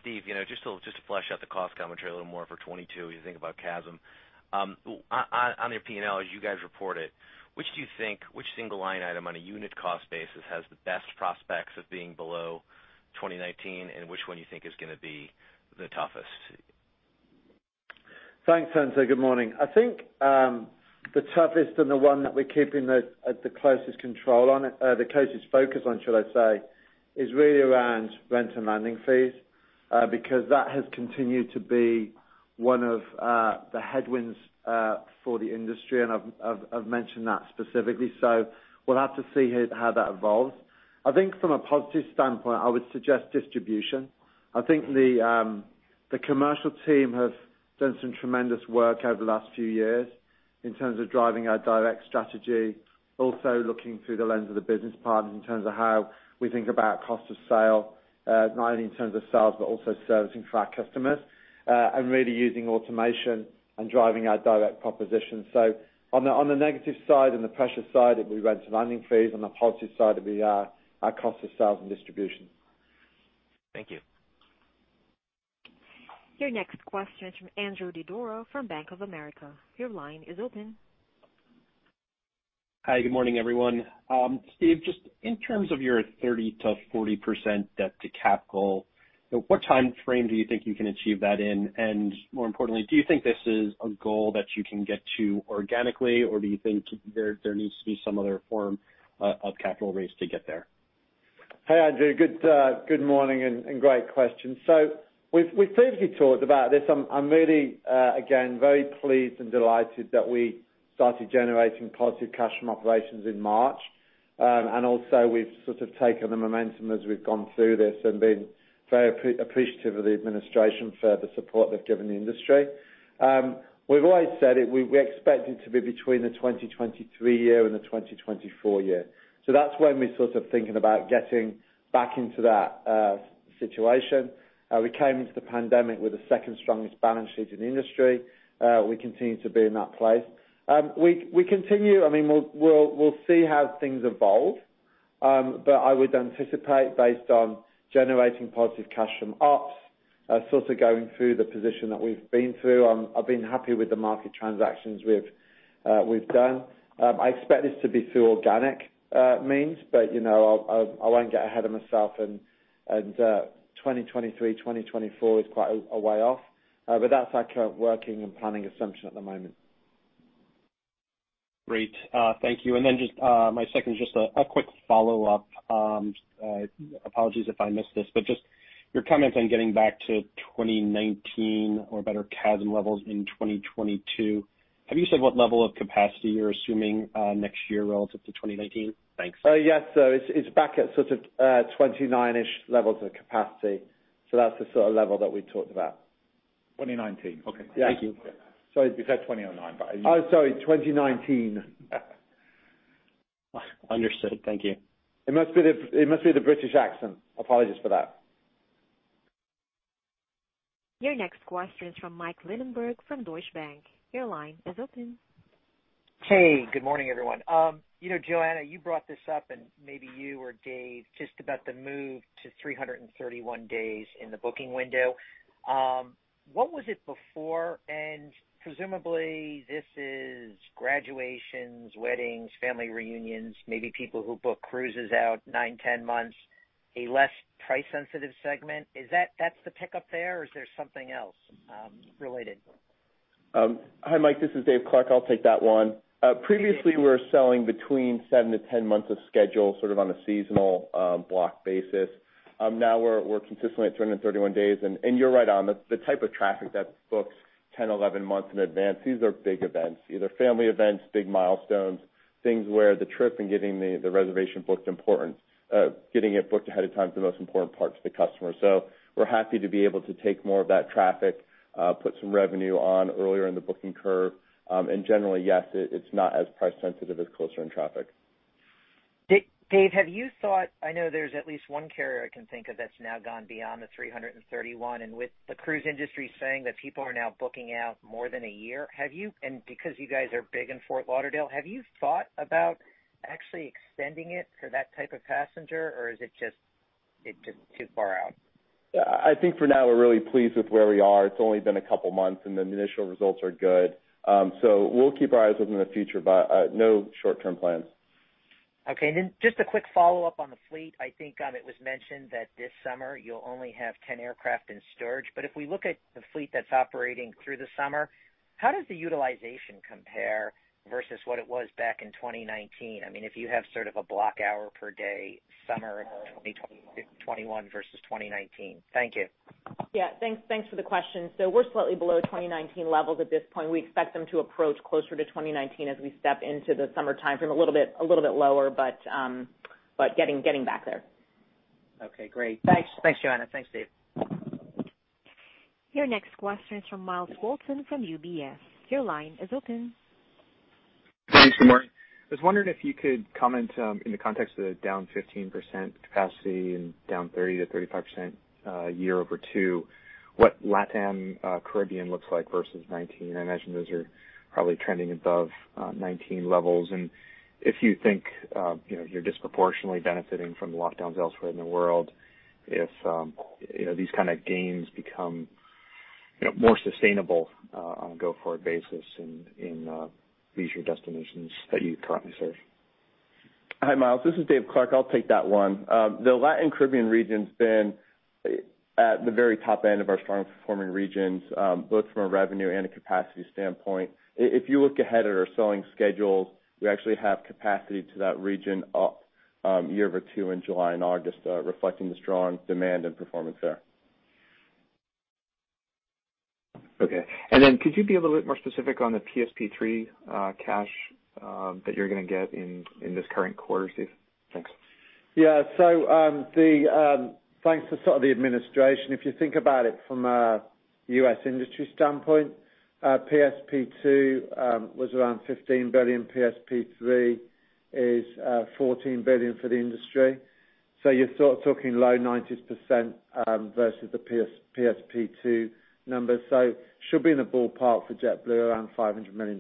S15: Steve, just to flesh out the cost commentary a little more for 2022 as you think about CASM. On your P&L, as you guys report it, which single line item on a unit cost basis has the best prospects of being below 2019, and which one you think is going to be the toughest?
S5: Thanks, Hunter. Good morning. I think the toughest and the one that we're keeping the closest control on it, the closest focus on, should I say, is really around rent and landing fees, because that has continued to be one of the headwinds for the industry, and I've mentioned that specifically. We'll have to see how that evolves. I think from a positive standpoint, I would suggest distribution. I think the commercial team have done some tremendous work over the last few years in terms of driving our direct strategy, also looking through the lens of the business partners in terms of how we think about cost of sale, not only in terms of sales, but also servicing for our customers, and really using automation and driving our direct proposition. On the negative side and the pressure side, it will be rent and landing fees, on the positive side will be our cost of sales and distribution.
S15: Thank you.
S1: Your next question is from Andrew Didora from Bank of America. Your line is open.
S17: Hi. Good morning, everyone. Steve, just in terms of your 30%-40% debt to capital, what timeframe do you think you can achieve that in? More importantly, do you think this is a goal that you can get to organically, or do you think there needs to be some other form of capital raise to get there?
S5: Hey, Andrew. Good morning and great question. We've previously talked about this. I'm really, again, very pleased and delighted that we started generating positive cash from operations in March. Also we've sort of taken the momentum as we've gone through this and been very appreciative of the administration for the support they've given the industry. We've always said it, we expect it to be between the 2023 year and the 2024 year. That's when we're sort of thinking about getting back into that situation. We came into the pandemic with the second strongest balance sheet in the industry. We continue to be in that place. We'll see how things evolve, but I would anticipate based on generating positive cash from ops, sort of going through the position that we've been through. I've been happy with the market transactions we've done. I expect this to be through organic means, but I won't get ahead of myself, and 2023, 2024 is quite a way off. That's our current working and planning assumption at the moment.
S17: Great. Thank you. Then just my second, just a quick follow-up. Apologies if I missed this, but just your comments on getting back to 2019 or better CASM levels in 2022, have you said what level of capacity you're assuming next year relative to 2019? Thanks.
S5: Yes. It's back at sort of 29-ish levels of capacity. That's the sort of level that we talked about.
S17: 2019? Okay.
S5: Yeah.
S17: Thank you. Sorry, you said 2009.
S5: Oh, sorry, 2019.
S17: Understood. Thank you.
S5: It must be the British accent. Apologies for that.
S1: Your next question is from Mike Linenberg from Deutsche Bank. Your line is open.
S18: Hey, good morning, everyone. Joanna, you brought this up and maybe you or Dave, just about the move to 331 days in the booking window. What was it before? Presumably, this is graduations, weddings, family reunions, maybe people who book cruises out nine, 10 months, a less price-sensitive segment. Is that the pickup there, or is there something else related?
S16: Hi, Mike, this is Dave Clark. I'll take that one. Previously, we were selling between 7-10 months of schedule, sort of on a seasonal block basis. Now we're consistently at 331 days. You're right on. The type of traffic that books 10, 11 months in advance, these are big events, either family events, big milestones, things where the trip and getting the reservation booked important, getting it booked ahead of time is the most important part to the customer. We're happy to be able to take more of that traffic, put some revenue on earlier in the booking curve. Generally, yes, it's not as price sensitive as closer-in traffic.
S18: Dave, I know there's at least one carrier I can think of that's now gone beyond the 331, and with the cruise industry saying that people are now booking out more than a year, have you, and because you guys are big in Fort Lauderdale, have you thought about actually extending it for that type of passenger, or is it just too far out?
S16: I think for now, we're really pleased with where we are. It's only been a couple of months, and the initial results are good. We'll keep our eyes open in the future, but no short-term plans.
S18: Okay. Just a quick follow-up on the fleet. I think it was mentioned that this summer you'll only have 10 aircraft in storage, but if we look at the fleet that's operating through the summer, how does the utilization compare versus what it was back in 2019? I mean, if you have sort of a block hour per day, summer 2021 versus 2019. Thank you.
S4: Yeah. Thanks for the question. We're slightly below 2019 levels at this point. We expect them to approach closer to 2019 as we step into the summertime from a little bit lower, but getting back there.
S18: Okay, great. Thanks, Joanna. Thanks, Dave.
S1: Your next question is from Myles Walton from UBS. Your line is open.
S19: Thanks, good morning. I was wondering if you could comment, in the context of the down 15% capacity and down 30%-35% year over two, what LATAM Caribbean looks like versus 2019? I imagine those are probably trending above 2019 levels. If you think you're disproportionately benefiting from the lockdowns elsewhere in the world, if these kind of gains become more sustainable on a go-forward basis in leisure destinations that you currently serve?
S16: Hi, Myles. This is Dave Clark. I'll take that one. The Latin Caribbean region's been at the very top end of our strong-performing regions, both from a revenue and a capacity standpoint. If you look ahead at our selling schedules, we actually have capacity to that region up year over two in July and August, reflecting the strong demand and performance there.
S19: Okay. Could you be a little bit more specific on the PSP3 cash that you're going to get in this current quarter, Steve? Thanks.
S5: Thanks to sort of the administration, if you think about it from a U.S. industry standpoint, PSP2 was around $15 billion, PSP3 is $14 billion for the industry. You're sort of talking low 90s percent versus the PSP2 numbers. Should be in the ballpark for JetBlue around $500 million.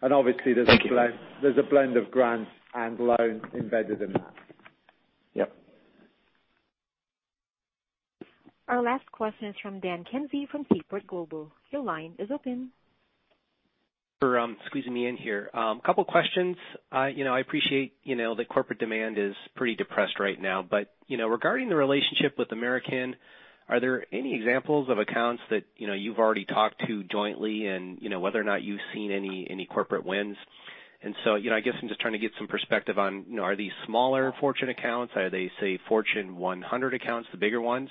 S19: Thank you.
S5: *audio distortion* there's a blend of grants and loans embedded in that.
S19: Yep.
S1: Our last question is from Dan McKenzie from Seaport Global. Your line is open.
S20: For squeezing me in here. Couple of questions. I appreciate that corporate demand is pretty depressed right now, but regarding the relationship with American, are there any examples of accounts that you've already talked to jointly and whether or not you've seen any corporate wins? So I guess I'm just trying to get some perspective on, are these smaller Fortune accounts? Are they, say, Fortune 100 accounts, the bigger ones?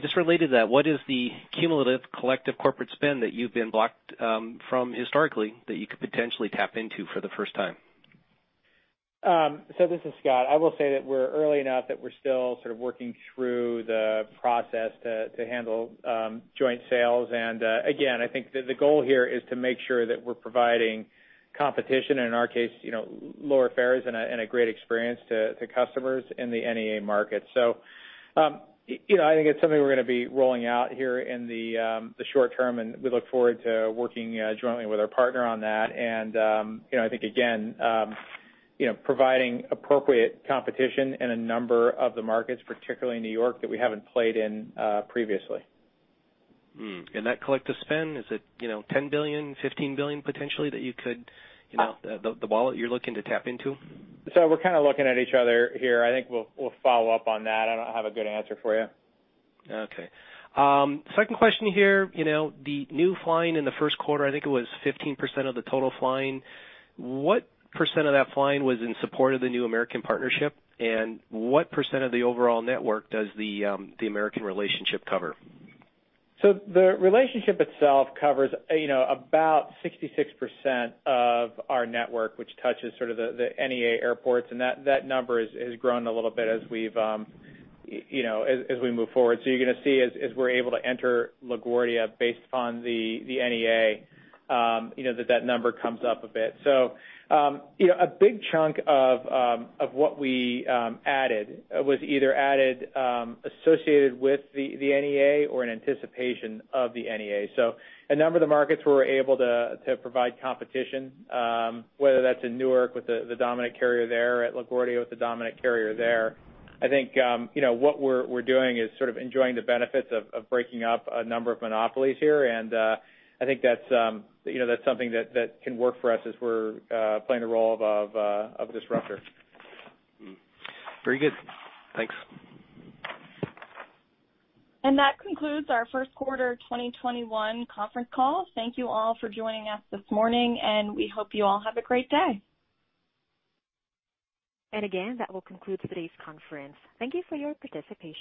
S20: Just related to that, what is the cumulative collective corporate spend that you've been blocked from historically that you could potentially tap into for the first time?
S8: This is Scott. I will say that we're early enough that we're still sort of working through the process to handle joint sales. Again, I think the goal here is to make sure that we're providing competition, and in our case, lower fares and a great experience to customers in the NEA market. I think it's something we're going to be rolling out here in the short term, and we look forward to working jointly with our partner on that. I think again providing appropriate competition in a number of the markets, particularly in New York, that we haven't played in previously.
S20: That collective spend, is it $10 billion, $15 billion potentially the wallet you're looking to tap into?
S8: We're kind of looking at each other here. I think we'll follow up on that. I don't have a good answer for you.
S20: Okay. Second question here. The new flying in the first quarter, I think it was 15% of the total flying. What percent of that flying was in support of the new American partnership, and what percent of the overall network does the American relationship cover?
S8: The relationship itself covers about 66% of our network, which touches sort of the NEA airports, and that number has grown a little bit as we move forward. You're going to see as we're able to enter LaGuardia based upon the NEA that that number comes up a bit. A big chunk of what we added was either added associated with the NEA or in anticipation of the NEA. A number of the markets we were able to provide competition, whether that's in Newark with the dominant carrier there, at LaGuardia with the dominant carrier there. I think what we're doing is sort of enjoying the benefits of breaking up a number of monopolies here, and I think that's something that can work for us as we're playing the role of disruptor.
S20: Very good. Thanks.
S4: That concludes our first-quarter 2021 conference call. Thank you all for joining us this morning, and we hope you all have a great day.
S1: Again, that will conclude today's conference. Thank you for your participation.